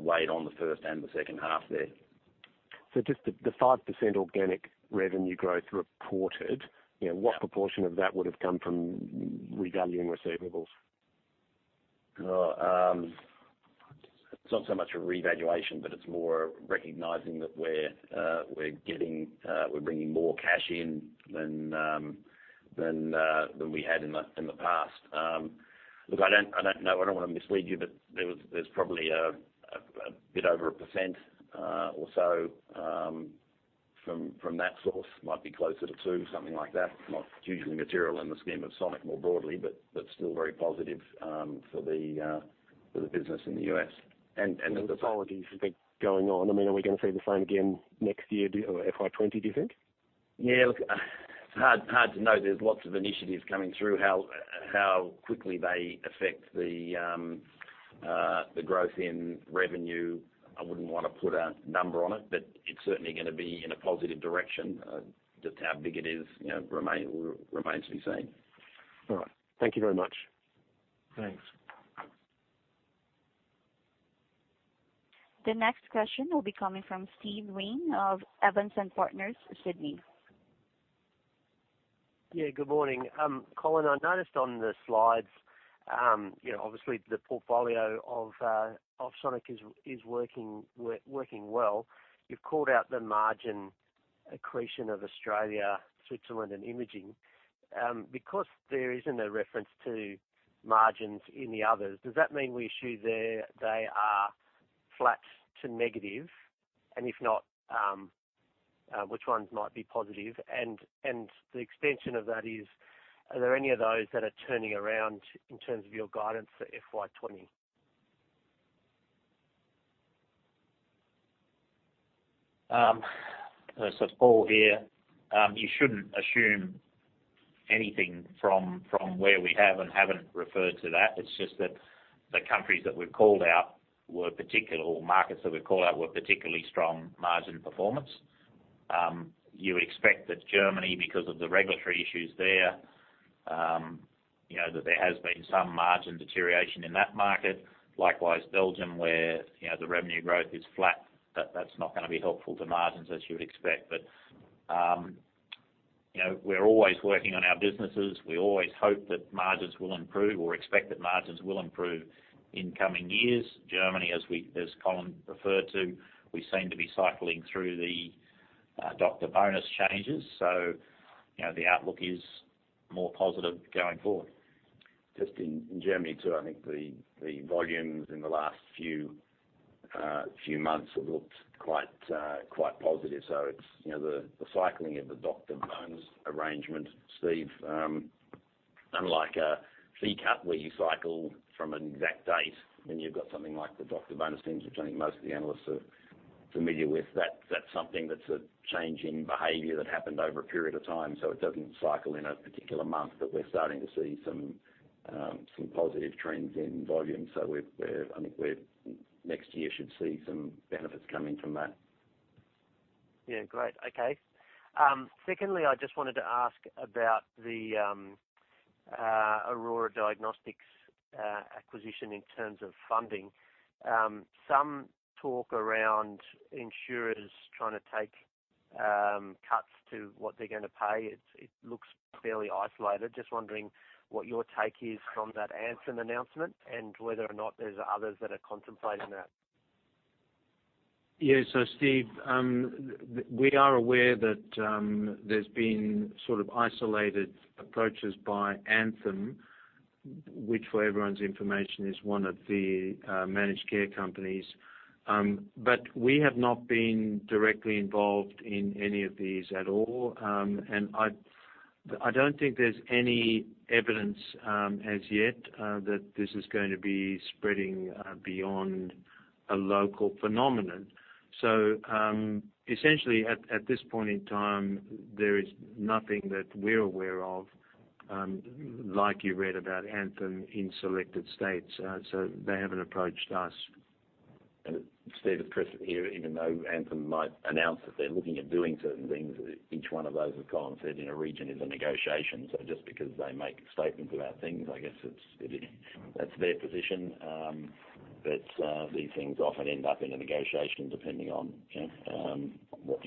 weighed on the first and the second half there. Just the 5% organic revenue growth reported, what proportion of that would have come from revaluing receivables? It's not so much a revaluation, but it's more recognizing that we're bringing more cash in than we had in the past. Look, I don't know, I don't want to mislead you, but there's probably a bit over 1% or so from that source. Might be closer to two, something like that. Not hugely material in the scheme of Sonic more broadly, but still very positive for the business in the U.S. The synergies have been going on. Are we going to see the same again next year, or FY 2020, do you think? Yeah, look, hard to know. There's lots of initiatives coming through, how quickly they affect the growth in revenue, I wouldn't want to put a number on it, but it's certainly going to be in a positive direction. Just how big it is, remains to be seen. All right. Thank you very much. Thanks. The next question will be coming from Steven Wheen of Evans and Partners, Sydney. Yeah, good morning. Colin, I noticed on the slides, obviously the portfolio of Sonic is working well. You've called out the margin accretion of Australia, Switzerland, and imaging. There isn't a reference to margins in the others, does that mean we assume they are flat to negative? If not, which ones might be positive? The extension of that is, are there any of those that are turning around in terms of your guidance for FY 2020? Paul here. You shouldn't assume anything from where we have and haven't referred to that. It's just that the countries that we've called out, or markets that we've called out, were particularly strong margin performance. You would expect that Germany, because of the regulatory issues there, that there has been some margin deterioration in that market. Likewise, Belgium, where the revenue growth is flat, that's not going to be helpful to margins as you would expect. We're always working on our businesses. We always hope that margins will improve or expect that margins will improve in coming years. Germany, as Colin referred to, we seem to be cycling through the doctor bonus changes, the outlook is more positive going forward. In Germany, too, I think the volumes in the last few months have looked quite positive. It's the cycling of the doctor bonus arrangement, Steve, unlike a FCAPS, where you cycle from an exact date, when you've got something like the doctor bonus things, which I think most of the analysts are familiar with, that's something that's a change in behavior that happened over a period of time. It doesn't cycle in a particular month, we're starting to see some positive trends in volume. I think next year should see some benefits coming from that. Yeah. Great. Okay. Secondly, I just wanted to ask about the Aurora Diagnostics acquisition in terms of funding. Some talk around insurers trying to take cuts to what they're going to pay. It looks fairly isolated. Just wondering what your take is from that Anthem announcement, and whether or not there's others that are contemplating that. Yeah. Steve, we are aware that there's been sort of isolated approaches by Anthem, which, for everyone's information, is one of the managed care companies. We have not been directly involved in any of these at all. I don't think there's any evidence as yet that this is going to be spreading beyond a local phenomenon. Essentially, at this point in time, there is nothing that we're aware of like you read about Anthem in selected states. They haven't approached us. Steve, it's Chris here. Even though Anthem might announce that they're looking at doing certain things, each one of those, as Colin said, in a region is a negotiation. Just because they make statements about things, I guess that's their position. These things often end up in a negotiation depending on what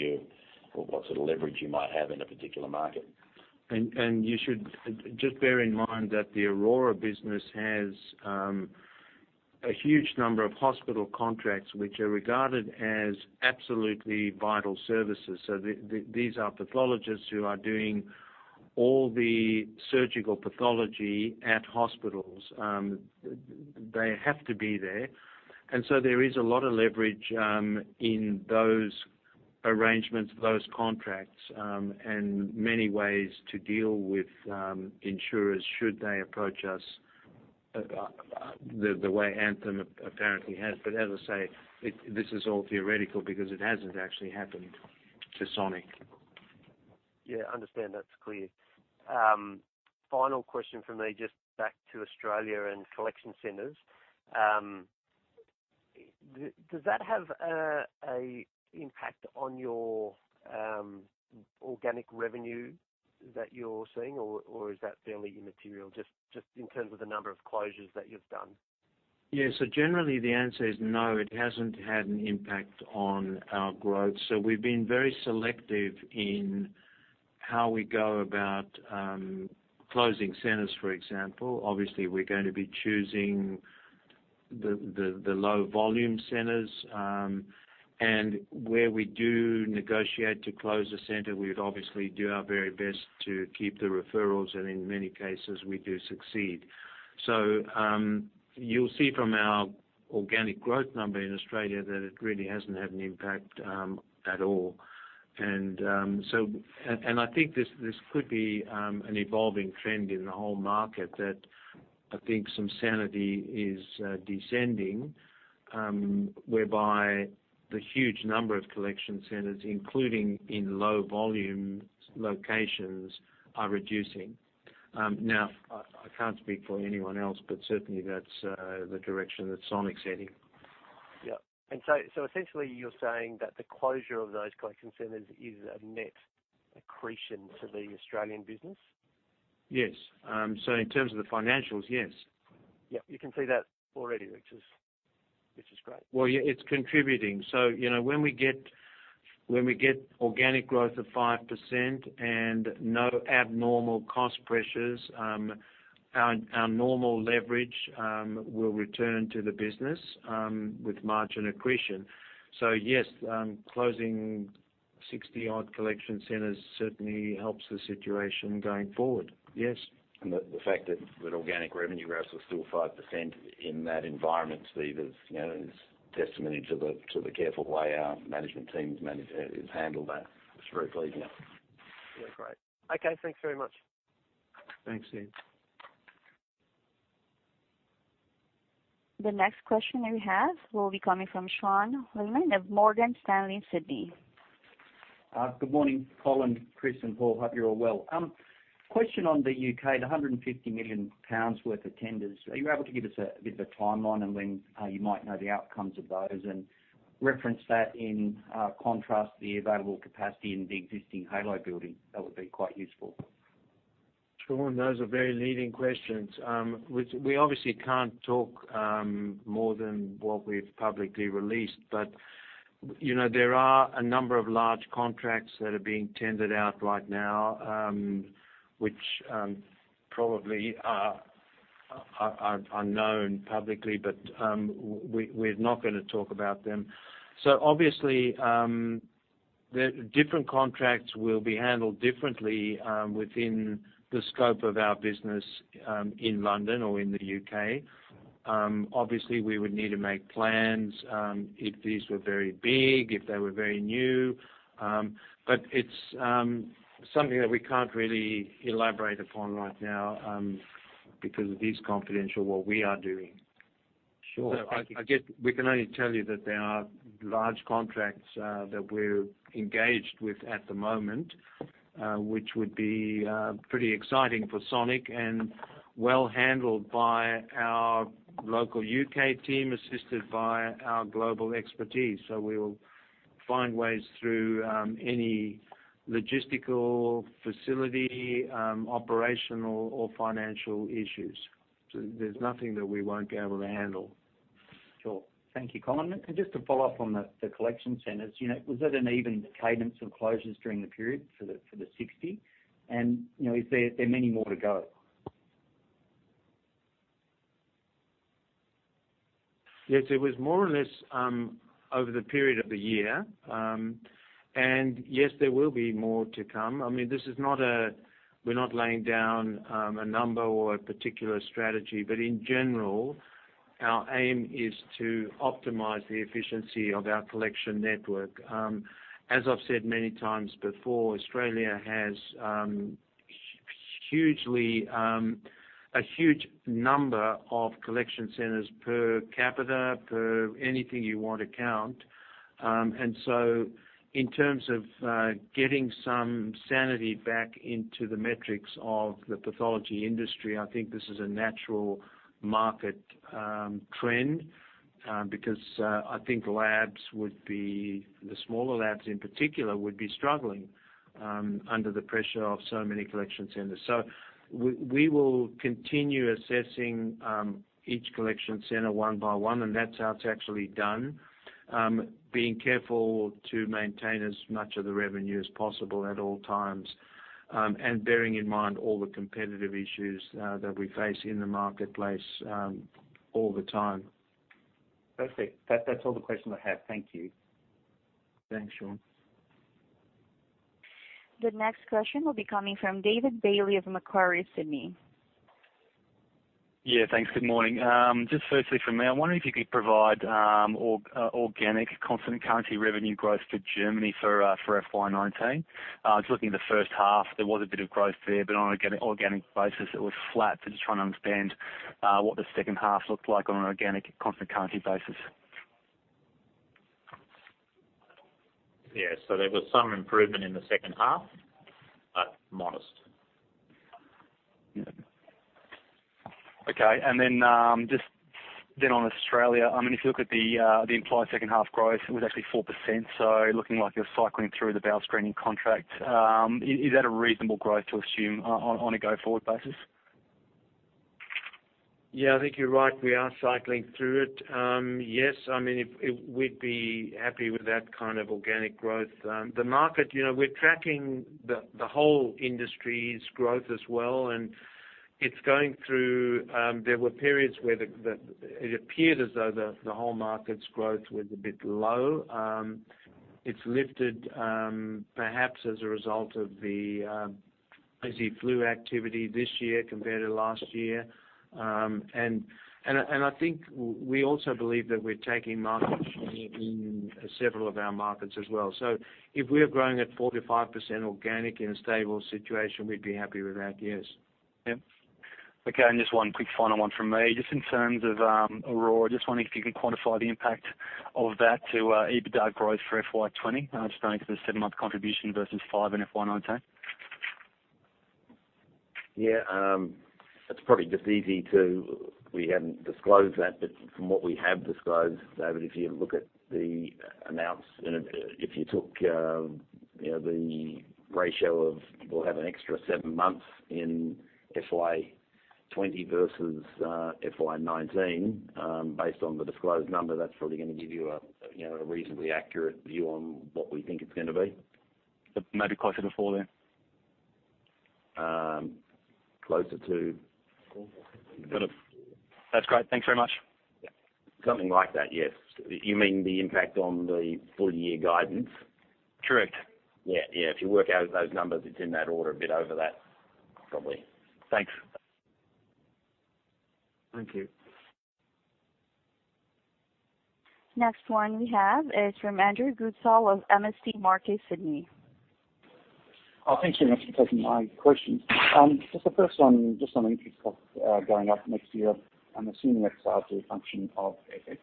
sort of leverage you might have in a particular market. You should just bear in mind that the Aurora business has a huge number of hospital contracts, which are regarded as absolutely vital services. These are pathologists who are doing all the surgical pathology at hospitals. They have to be there. There is a lot of leverage in those arrangements, those contracts, and many ways to deal with insurers should they approach us the way Anthem apparently has. As I say, this is all theoretical because it hasn't actually happened to Sonic. Yeah, understand. That's clear. Final question from me, just back to Australia and collection centers. Does that have an impact on your organic revenue that you're seeing, or is that fairly immaterial, just in terms of the number of closures that you've done? Generally, the answer is no, it hasn't had an impact on our growth. We've been very selective in how we go about closing centers, for example. Obviously, we're going to be choosing the low volume centers, and where we do negotiate to close a center, we'd obviously do our very best to keep the referrals, and in many cases, we do succeed. You'll see from our organic growth number in Australia that it really hasn't had an impact at all. I think this could be an evolving trend in the whole market that I think some sanity is descending, whereby the huge number of collection centers, including in low volume locations, are reducing. I can't speak for anyone else, but certainly, that's the direction that Sonic's heading. Yeah. Essentially, you're saying that the closure of those collection centers is a net accretion to the Australian business? Yes. In terms of the financials, yes. Yeah. You can see that already, which is great. Well, yeah. It's contributing. When we get organic growth of 5% and no abnormal cost pressures. Our normal leverage will return to the business with margin accretion. Yes, closing 60 odd collection centers certainly helps the situation going forward. Yes. The fact that organic revenue growth was still 5% in that environment, Steven, is a testimony to the careful way our management team's handled that. It's very pleasing. Yeah. Great. Okay, thanks very much. Thanks, Steve. The next question that we have will be coming from Sean Laaman of Morgan Stanley, Sydney. Good morning, Colin, Chris, and Paul. Hope you're all well. Question on the U.K., the 150 million pounds worth of tenders. Are you able to give us a bit of a timeline on when you might know the outcomes of those, and reference that in contrast to the available capacity in the existing Halo building? That would be quite useful. Sean, those are very leading questions. We obviously can't talk more than what we've publicly released. There are a number of large contracts that are being tendered out right now, which probably are unknown publicly, but we're not going to talk about them. Obviously, different contracts will be handled differently within the scope of our business in London or in the U.K. Obviously, we would need to make plans, if these were very big, if they were very new. It's something that we can't really elaborate upon right now because it is confidential what we are doing. Sure. I guess we can only tell you that there are large contracts that we're engaged with at the moment, which would be pretty exciting for Sonic and well handled by our local U.K. team, assisted by our global expertise. We'll find ways through any logistical, facility, operational, or financial issues. There's nothing that we won't be able to handle. Sure. Thank you, Colin. Just to follow up on the collection centers, was that an even cadence of closures during the period for the 60? Is there many more to go? Yes, it was more or less over the period of the year. Yes, there will be more to come. We're not laying down a number or a particular strategy, but in general, our aim is to optimize the efficiency of our collection network. As I've said many times before, Australia has a huge number of collection centers per capita, per anything you want to count. In terms of getting some sanity back into the metrics of the pathology industry, I think this is a natural market trend, because I think the smaller labs in particular would be struggling under the pressure of so many collection centers. We will continue assessing each collection center one by one, and that's how it's actually done. Being careful to maintain as much of the revenue as possible at all times, and bearing in mind all the competitive issues that we face in the marketplace all the time. Perfect. That's all the questions I have. Thank you. Thanks, Sean. The next question will be coming from David Bailey of Macquarie, Sydney. Yeah, thanks. Good morning. Just firstly from me, I wonder if you could provide organic constant currency revenue growth for Germany for FY 2019. I was looking at the first half, there was a bit of growth there, but on an organic basis, it was flat. Just trying to understand what the second half looked like on an organic constant currency basis. Yeah. There was some improvement in the second half, but modest. Okay. Just then on Australia, if you look at the implied second half growth, it was actually 4%. Looking like you're cycling through the bowel screening contract. Is that a reasonable growth to assume on a go-forward basis? Yeah, I think you're right. We are cycling through it. Yes, we'd be happy with that kind of organic growth. The market, we're tracking the whole industry's growth as well, and it's going through, there were periods where it appeared as though the whole market's growth was a bit low. It's lifted, perhaps as a result of the busy flu activity this year compared to last year. I think we also believe that we're taking market share in several of our markets as well. If we are growing at 4% to 5% organic in a stable situation, we'd be happy with that. Yes. Yeah. Okay, just one quick final one from me. Just in terms of Aurora, just wondering if you could quantify the impact of that to EBITDA growth for FY 2020. Just knowing it is a seven-month contribution versus five in FY 2019. Yeah. We haven't disclosed that, but from what we have disclosed, David, if you look at the amounts, and if you took the ratio of, we'll have an extra seven months in FY 2020 versus FY 2019, based on the disclosed number, that's probably going to give you a reasonably accurate view on what we think it's going to be. Maybe closer to four then? Closer to- Got it. That's great. Thanks very much. Something like that, yes. You mean the impact on the full year guidance? Correct. Yeah. If you work out those numbers, it's in that order, a bit over that, probably. Thanks. Thank you. Next one we have is from Andrew Goodsall of MST Marquee, Sydney. Oh, thank you very much for taking my question. Just the first one, just on the interest cost going up next year, I'm assuming that's largely a function of FX.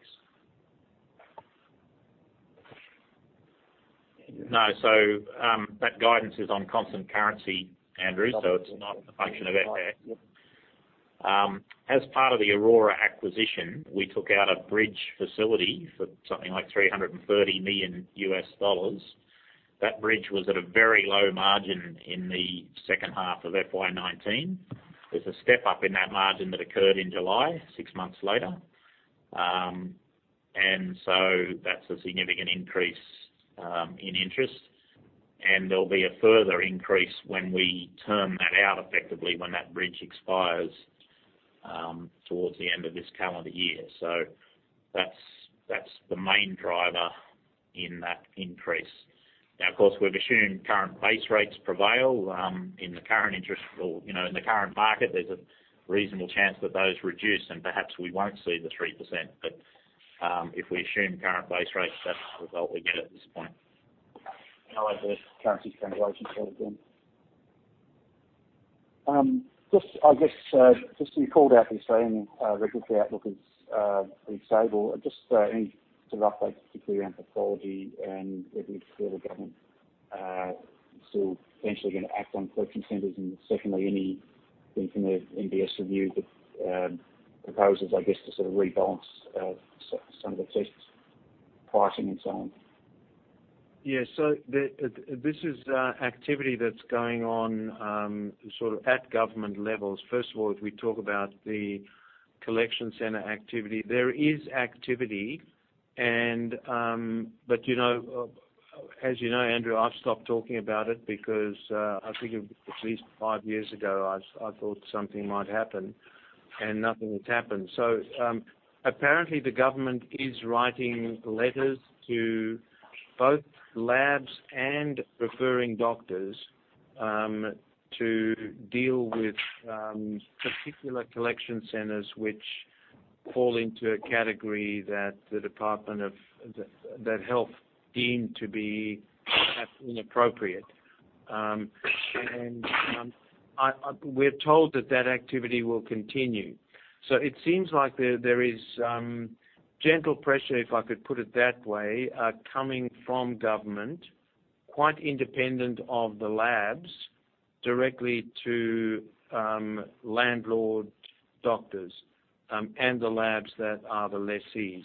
No. That guidance is on constant currency, Andrew, so it's not a function of FX. As part of the Aurora acquisition, we took out a bridge facility for something like $330 million U.S. dollars. That bridge was at a very low margin in the second half of FY 2019. There's a step-up in that margin that occurred in July, six months later. That's a significant increase in interest. There'll be a further increase when we term that out effectively when that bridge expires towards the end of this calendar year. That's the main driver in that increase. Now, of course, we've assumed current base rates prevail, in the current interest or, in the current market, there's a reasonable chance that those reduce, and perhaps we won't see the 3%. If we assume current base rates, that's the result we get at this point. No adverse currency translation sort of thing. I guess, just you called out the Australian regulatory outlook as being stable. Any sort of update, particularly around pathology and whether the federal government is still potentially going to act on collection centers, and secondly, anything from the MBS review that proposes, I guess, to sort of rebalance some of the tests, pricing and so on. Yeah. This is activity that's going on sort of at government levels. First of all, if we talk about the collection center activity, there is activity, but as you know, Andrew Goodsall, I've stopped talking about it because, I think it was at least five years ago, I thought something might happen, and nothing has happened. Apparently the government is writing letters to both labs and referring doctors, to deal with particular collection centers which fall into a category that the Department of Health deemed to be perhaps inappropriate. We're told that that activity will continue. It seems like there is gentle pressure, if I could put it that way, coming from government, quite independent of the labs, directly to landlord doctors, and the labs that are the lessees.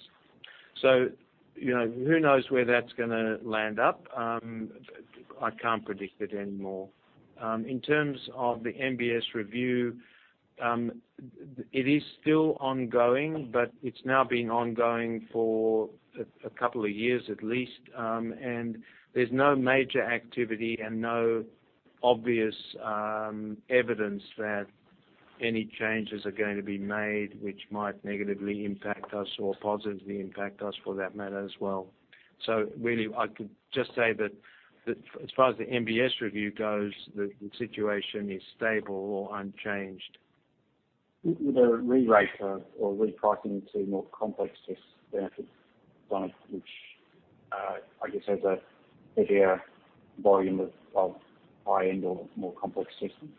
Who knows where that's gonna land up? I can't predict it anymore. In terms of the MBS review, it is still ongoing, but it's now been ongoing for a couple of years at least. There's no major activity and no obvious evidence that any changes are going to be made, which might negatively impact us or positively impact us for that matter as well. Really, I could just say that as far as the MBS review goes, the situation is stable or unchanged. Would a re-rate or repricing to more complex tests benefit Sonic, which, I guess has a heavier volume of high-end or more complex testing?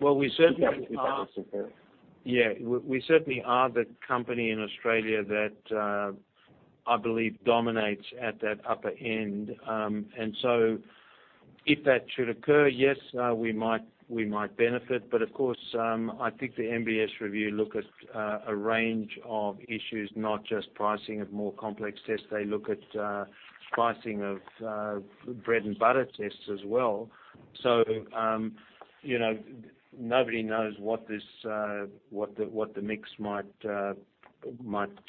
Well, we certainly are. If that was to occur. We certainly are the company in Australia that, I believe dominates at that upper end. If that should occur, yes, we might benefit, but of course, I think the MBS review look at a range of issues, not just pricing of more complex tests. They look at pricing of bread and butter tests as well. Nobody knows what the mix might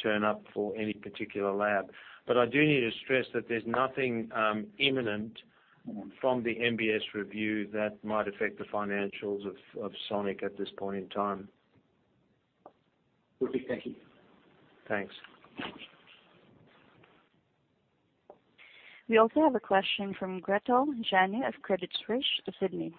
turn up for any particular lab. I do need to stress that there's nothing imminent from the MBS review that might affect the financials of Sonic at this point in time. Copy. Thank you. Thanks. We also have a question from Gretel Janu of Credit Suisse, Sydney.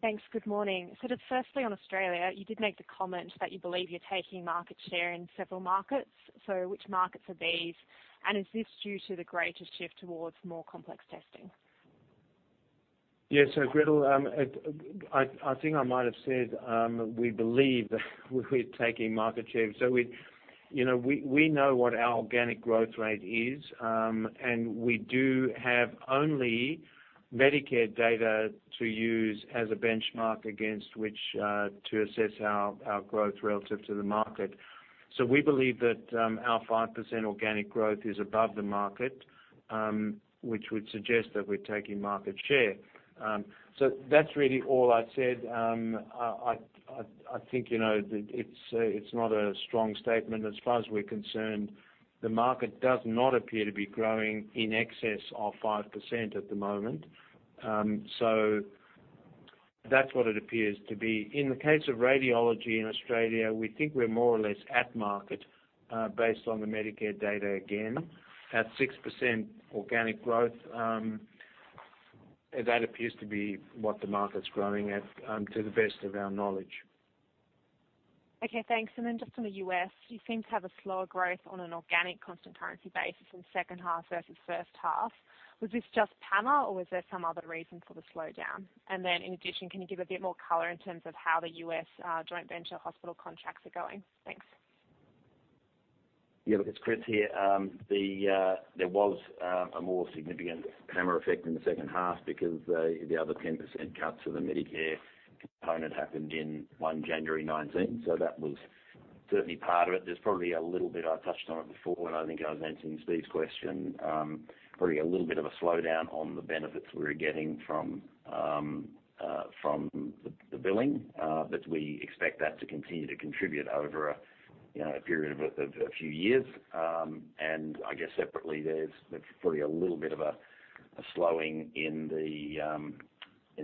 Thanks. Good morning. Sort of firstly, on Australia, you did make the comment that you believe you're taking market share in several markets. Which markets are these? Is this due to the greater shift towards more complex testing? Gretel, I think I might have said, we believe that we're taking market share. We know what our organic growth rate is, and we do have only Medicare data to use as a benchmark against which, to assess our growth relative to the market. We believe that our 5% organic growth is above the market, which would suggest that we're taking market share. That's really all I said. I think, it's not a strong statement. As far as we're concerned, the market does not appear to be growing in excess of 5% at the moment. That's what it appears to be. In the case of radiology in Australia, we think we're more or less at market based on the Medicare data again. At 6% organic growth, that appears to be what the market's growing at, to the best of our knowledge. Okay, thanks. Just on the U.S., you seem to have a slower growth on an organic constant currency basis in the second half versus first half. Was this just PAMA or was there some other reason for the slowdown? In addition, can you give a bit more color in terms of how the U.S. joint venture hospital contracts are going? Thanks. Yeah, look, it's Chris here. There was a more significant PAMA effect in the second half because the other 10% cut to the Medicare component happened on January 1st, 2019. That was certainly part of it. There's probably a little bit, I touched on it before when I think I was answering Steve's question. Probably a little bit of a slowdown on the benefits we were getting from the billing. We expect that to continue to contribute over a period of a few years. I guess separately, there's probably a little bit of a slowing in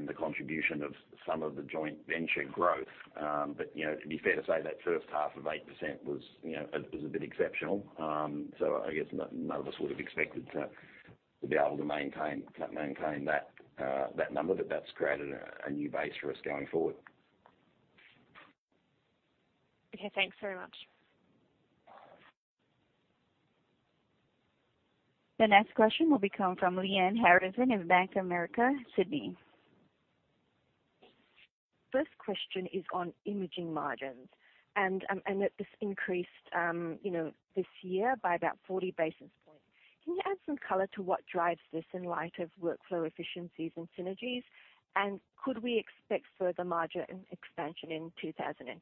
the contribution of some of the joint venture growth. It'd be fair to say that first half of 8% was a bit exceptional. I guess none of us would have expected to be able to maintain that number, but that's created a new base for us going forward. Okay, thanks very much. The next question will be coming from Lyanne Harrison in Bank of America, Sydney. First question is on Imaging margins, that this increased this year by about 40 basis points. Can you add some color to what drives this in light of workflow efficiencies and synergies? Could we expect further margin expansion in 2020?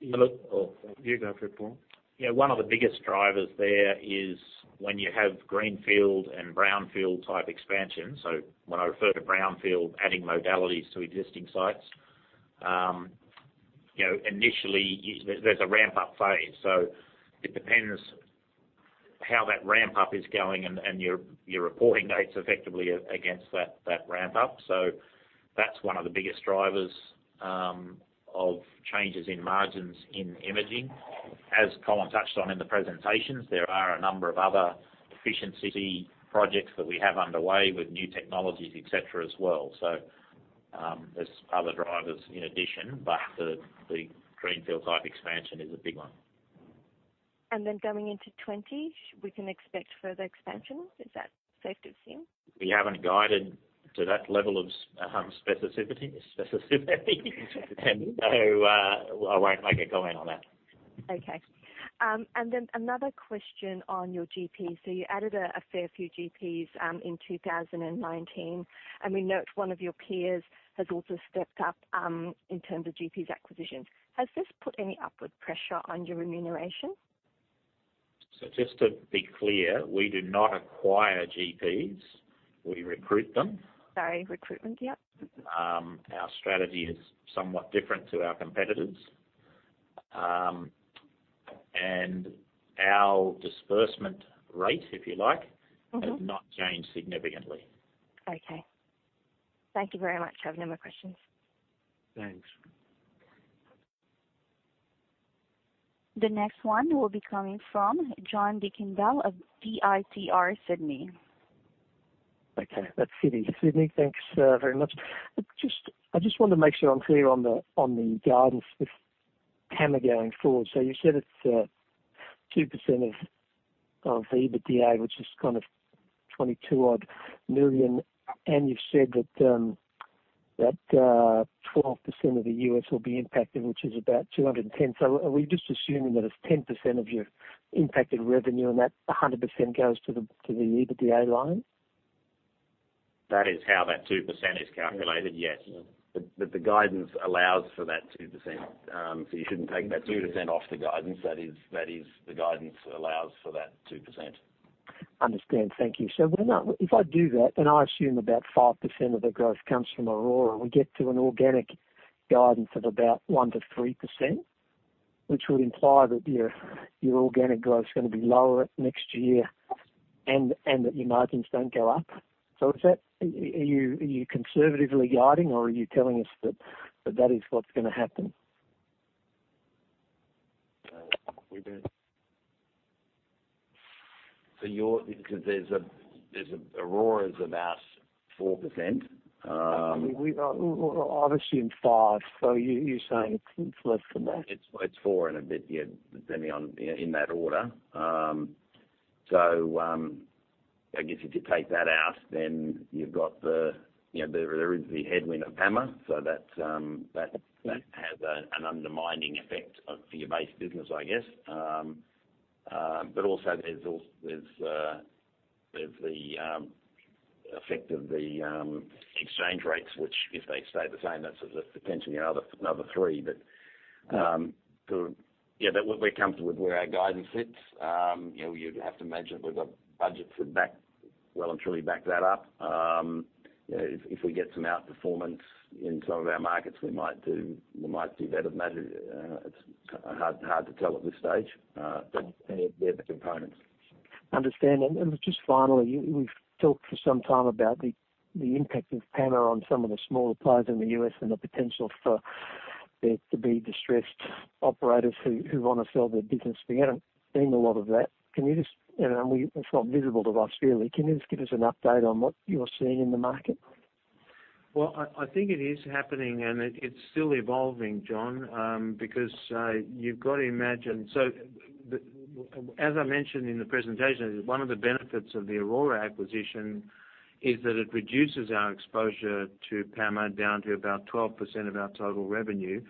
Yeah, look. Oh, you go for it, Paul. Yeah. One of the biggest drivers there is when you have greenfield and brownfield type expansion. When I refer to brownfield, adding modalities to existing sites. Initially, there's a ramp-up phase. It depends how that ramp-up is going and your reporting rates effectively against that ramp-up. That's one of the biggest drivers of changes in margins in imaging. As Colin touched on in the presentations, there are a number of other efficiency projects that we have underway with new technologies, et cetera, as well. There's other drivers in addition, but the greenfield type expansion is a big one. Going into 2020, we can expect further expansion. Is that safe to assume? We haven't guided to that level of specificity, so I won't make a comment on that. Okay. Another question on your GP. You added a fair few GPs in 2019, and we note one of your peers has also stepped up in terms of GPs acquisition. Has this put any upward pressure on your remuneration? Just to be clear, we do not acquire GPs. We recruit them. Sorry, recruitment, yeah. Our strategy is somewhat different to our competitors. Our disbursement rate, if you like. has not changed significantly. Okay. Thank you very much. I have no more questions. Thanks. The next one will be coming from John Deakin-Bell of DITR Sydney. Okay. That's Sydney. Thanks very much. I just want to make sure I'm clear on the guidance with PAMA going forward. You said it's 2% of EBITDA, which is kind of 22 odd million, and you've said that 12% of the U.S. will be impacted, which is about 210. Are we just assuming that it's 10% of your impacted revenue and that 100% goes to the EBITDA line? That is how that 2% is calculated, yes. The guidance allows for that 2%, so you shouldn't take that 2% off the guidance. That is the guidance allows for that 2%. Understand. Thank you. If I do that, and I assume about 5% of the growth comes from Aurora, we get to an organic guidance of about 1%-3%, which would imply that your organic growth's gonna be lower next year and that your margins don't go up. Are you conservatively guiding or are you telling us that that is what's gonna happen? Because Aurora's about 4%. I've assumed five. You're saying it's less than that. It's four and a bit, yeah, depending on, in that order. I guess if you take that out, then you've got the headwind of PAMA, so that has an undermining effect for your base business, I guess. Also there's the effect of the exchange rates, which if they stay the same, that's potentially another three. Yeah, we're comfortable with where our guidance sits. You'd have to imagine we've got budgets that well and truly back that up. If we get some outperformance in some of our markets, we might do better than that. It's hard to tell at this stage. They're the components. Understand. Just finally, we've talked for some time about the impact of PAMA on some of the smaller players in the U.S. and the potential for there to be distressed operators who want to sell their business. We haven't seen a lot of that. It's not visible to us, really. Can you just give us an update on what you're seeing in the market? I think it is happening, and it's still evolving, John, because you've got to imagine as I mentioned in the presentation, one of the benefits of the Aurora acquisition is that it reduces our exposure to PAMA down to about 12% of our total revenue.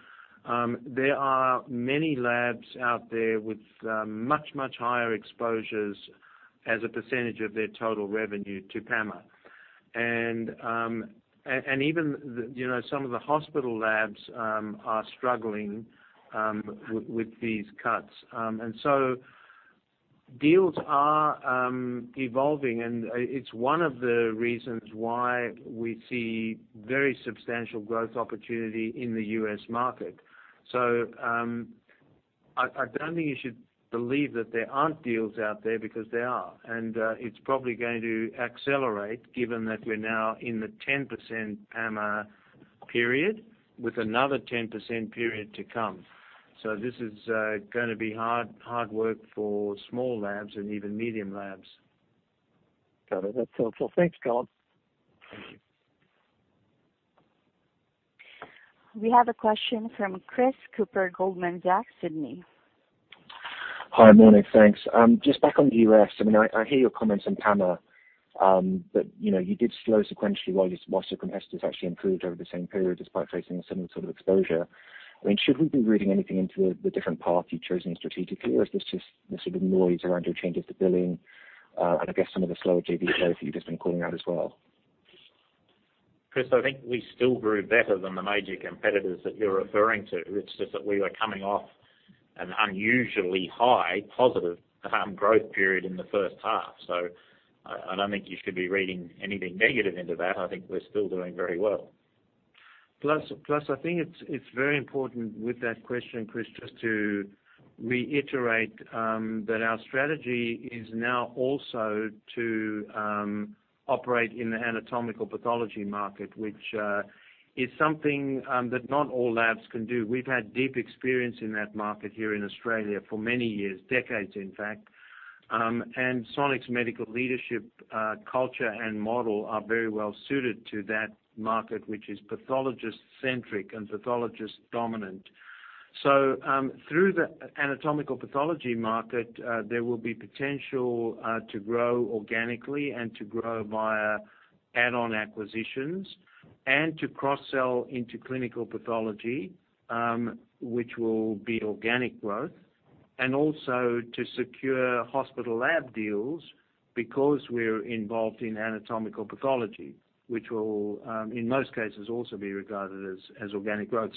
There are many labs out there with much higher exposures as a percentage of their total revenue to PAMA. Even some of the hospital labs are struggling with these cuts. Deals are evolving, and it's one of the reasons why we see very substantial growth opportunity in the U.S. market. I don't think you should believe that there aren't deals out there because there are. It's probably going to accelerate given that we're now in the 10% PAMA period with another 10% period to come. This is going to be hard work for small labs and even medium labs. Got it. That's helpful. Thanks, John. Thank you. We have a question from Chris Cooper, Goldman Sachs, Sydney. Hi. Morning, thanks. Just back on the U.S. I hear your comments on PAMA. You did slow sequentially while most of your competitors actually improved over the same period despite facing a similar sort of exposure. Should we be reading anything into the different path you've chosen strategically, or is this just the sort of noise around your changes to billing, and I guess some of the slower JV flows that you've just been calling out as well? Chris, I think we still grew better than the major competitors that you're referring to. It's just that we were coming off an unusually high positive growth period in the first half. I don't think you should be reading anything negative into that. I think we're still doing very well. I think it's very important with that question, Chris, just to reiterate, that our strategy is now also to operate in the anatomical pathology market, which is something that not all labs can do. We've had deep experience in that market here in Australia for many years, decades, in fact. Sonic's medical leadership culture and model are very well suited to that market, which is pathologist-centric and pathologist-dominant. Through the anatomical pathology market, there will be potential to grow organically and to grow via add-on acquisitions, and to cross-sell into clinical pathology, which will be organic growth, and also to secure hospital lab deals because we're involved in anatomical pathology, which will, in most cases, also be regarded as organic growth.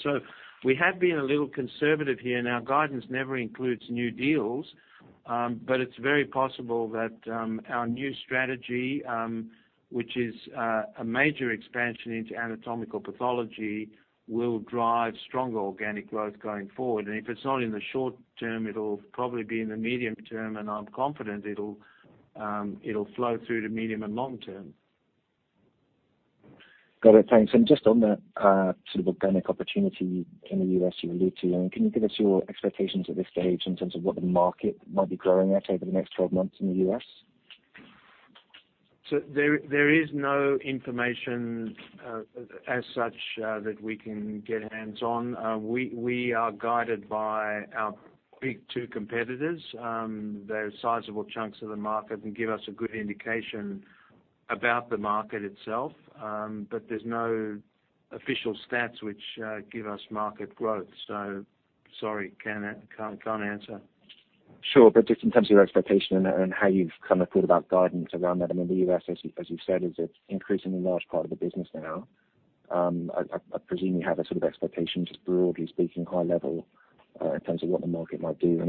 We have been a little conservative here, and our guidance never includes new deals. It's very possible that our new strategy, which is a major expansion into anatomical pathology, will drive stronger organic growth going forward. If it's not in the short term, it'll probably be in the medium term, and I'm confident it'll flow through to medium and long term. Got it. Thanks. Just on that sort of organic opportunity in the U.S. you allude to, can you give us your expectations at this stage in terms of what the market might be growing at over the next 12 months in the U.S.? There is no information as such that we can get hands on. We are guided by our big two competitors. They're sizable chunks of the market and give us a good indication about the market itself. There's no official stats which give us market growth. Sorry, can't answer. Sure. Just in terms of your expectation and how you've thought about guidance around that. I mean, the U.S., as you said, is an increasingly large part of the business now. I presume you have a sort of expectation, just broadly speaking, high level, in terms of what the market might do.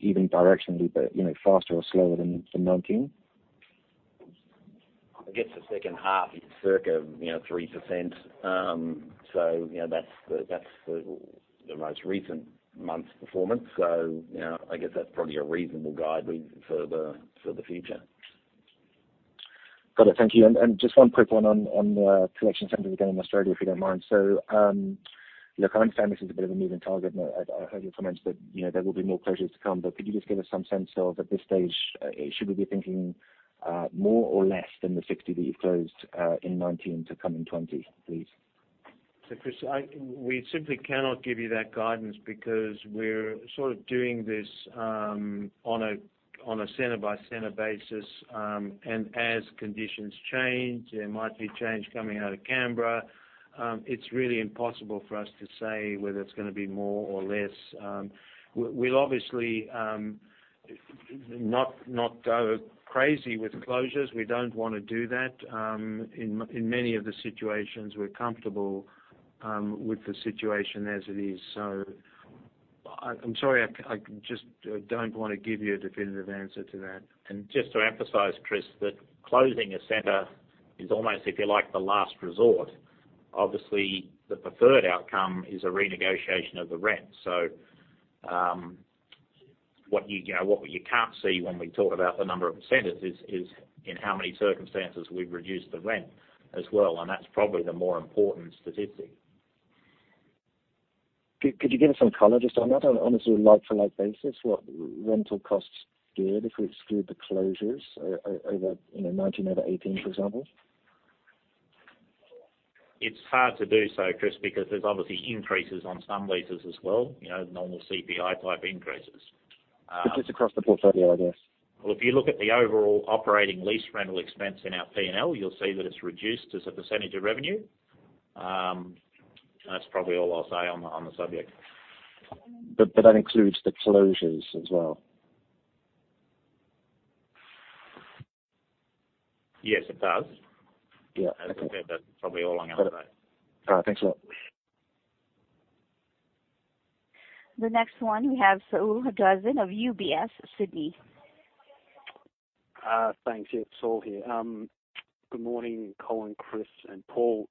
Even directionally, but faster or slower than 2019. I guess the second half is circa 3%. That's the most recent month's performance. I guess that's probably a reasonable guide for the future. Got it. Thank you. Just one quick one on the collection centers again in Australia, if you don't mind. I understand this is a bit of a moving target and I heard your comments that there will be more closures to come, could you just give us some sense of, at this stage, should we be thinking more or less than the 60 that you've closed in 2019 to come in 2020, please? Chris, we simply cannot give you that guidance because we're sort of doing this on a center by center basis. As conditions change, there might be change coming out of Canberra. It's really impossible for us to say whether it's going to be more or less. We'll obviously not go crazy with closures. We don't want to do that. In many of the situations, we're comfortable with the situation as it is. I'm sorry, I just don't want to give you a definitive answer to that. Just to emphasize, Chris, that closing a center is almost, if you like, the last resort. Obviously, the preferred outcome is a renegotiation of the rent. What you can't see when we talk about the number of centers is in how many circumstances we've reduced the rent as well, and that's probably the more important statistic. Could you give us some color just on that, on a sort of like-for-like basis, what rental costs did, if we exclude the closures over 2019 over 2018, for example? It's hard to do so, Chris, because there's obviously increases on some leases as well, normal CPI-type increases. Just across the portfolio, I guess. Well, if you look at the overall operating lease rental expense in our P&L, you'll see that it's reduced as a % of revenue. That's probably all I'll say on the subject. That includes the closures as well. Yes, it does. Yeah. Okay. As I said, that's probably all I'm going to say. All right. Thanks a lot. The next one we have Saul Hadassin of UBS, Sydney. Thanks. Yeah, Saul here. Good morning, Colin, Chris, and Paul.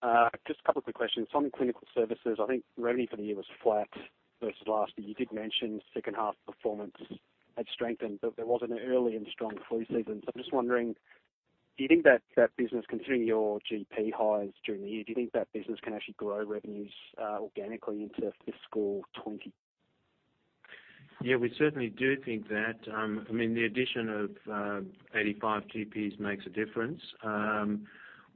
Just a couple quick questions. On Clinical Services, I think revenue for the year was flat versus last year. You did mention second half performance had strengthened, but there was an early and strong flu season. I'm just wondering, do you think that that business, considering your GP hires during the year, do you think that business can actually grow revenues organically into fiscal 2020? We certainly do think that. I mean, the addition of 85 GPs makes a difference.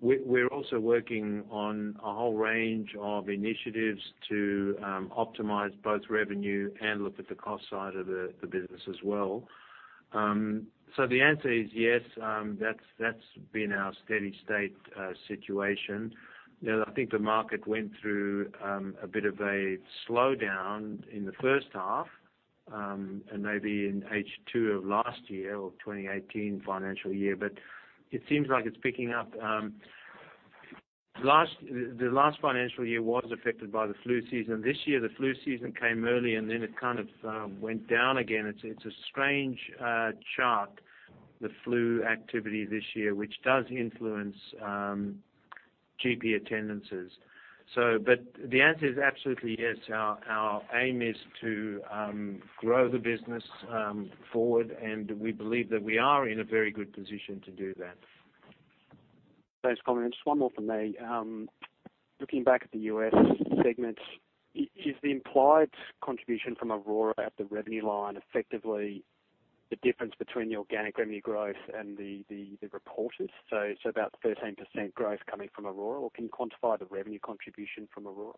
We're also working on a whole range of initiatives to optimize both revenue and look at the cost side of the business as well. The answer is yes, that's been our steady state situation. I think the market went through a bit of a slowdown in the first half, and maybe in H2 of last year or 2018 financial year, but it seems like it's picking up. The last financial year was affected by the flu season. This year, the flu season came early and then it kind of went down again. It's a strange chart, the flu activity this year, which does influence GP attendances. The answer is absolutely yes. Our aim is to grow the business forward, and we believe that we are in a very good position to do that. Thanks, Colin. Just one more from me. Looking back at the U.S. segment, is the implied contribution from Aurora at the revenue line effectively the difference between the organic revenue growth and the reported? It's about 13% growth coming from Aurora, or can you quantify the revenue contribution from Aurora?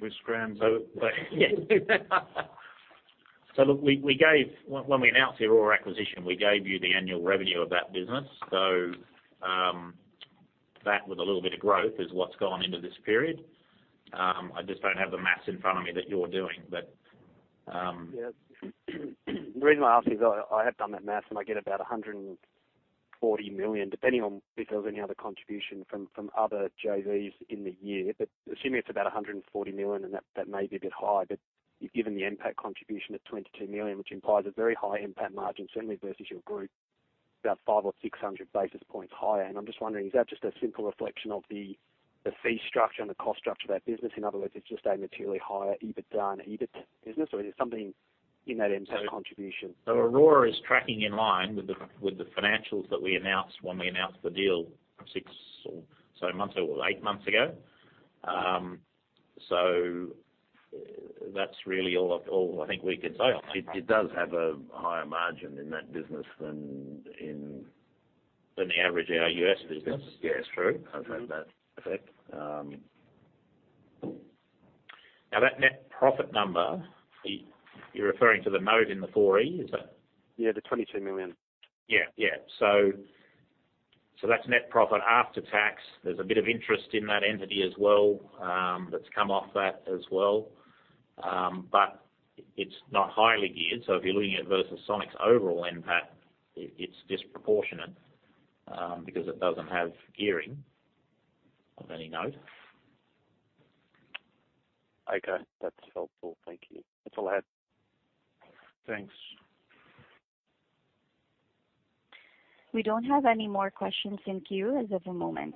We scrambled. Look, when we announced the Aurora acquisition, we gave you the annual revenue of that business. That with a little bit of growth is what's gone into this period. I just don't have the math in front of me that you're doing. Yeah. The reason why I ask is I have done that math, and I get about 140 million, depending on if there was any other contribution from other JVs in the year. Assuming it's about 140 million, and that may be a bit high, but you've given the NPAT contribution at 22 million, which implies a very high NPAT margin, certainly versus your group, about 500 or 600 basis points higher. I'm just wondering, is that just a simple reflection of the fee structure and the cost structure of that business? In other words, it's just a materially higher EBITDA and EBIT business, or is there something in that NPAT contribution? Aurora is tracking in line with the financials that we announced when we announced the deal six or so months ago, eight months ago. That's really all I think we can say on that. It does have a higher margin in that business than. Than the average in our U.S. business. Yeah, that's true. Now, that net profit number, you're referring to the note in the 4E, is that? Yeah, the 22 million. That's net profit after tax. There's a bit of interest in that entity as well that's come off that as well. It's not highly geared. If you're looking at versus Sonic's overall NPAT, it's disproportionate because it doesn't have gearing of any note. Okay. That's helpful. Thank you. That's all I had. Thanks. We don't have any more questions in queue as of the moment.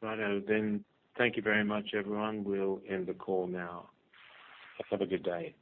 Righto. Thank you very much, everyone. We'll end the call now. Have a good day.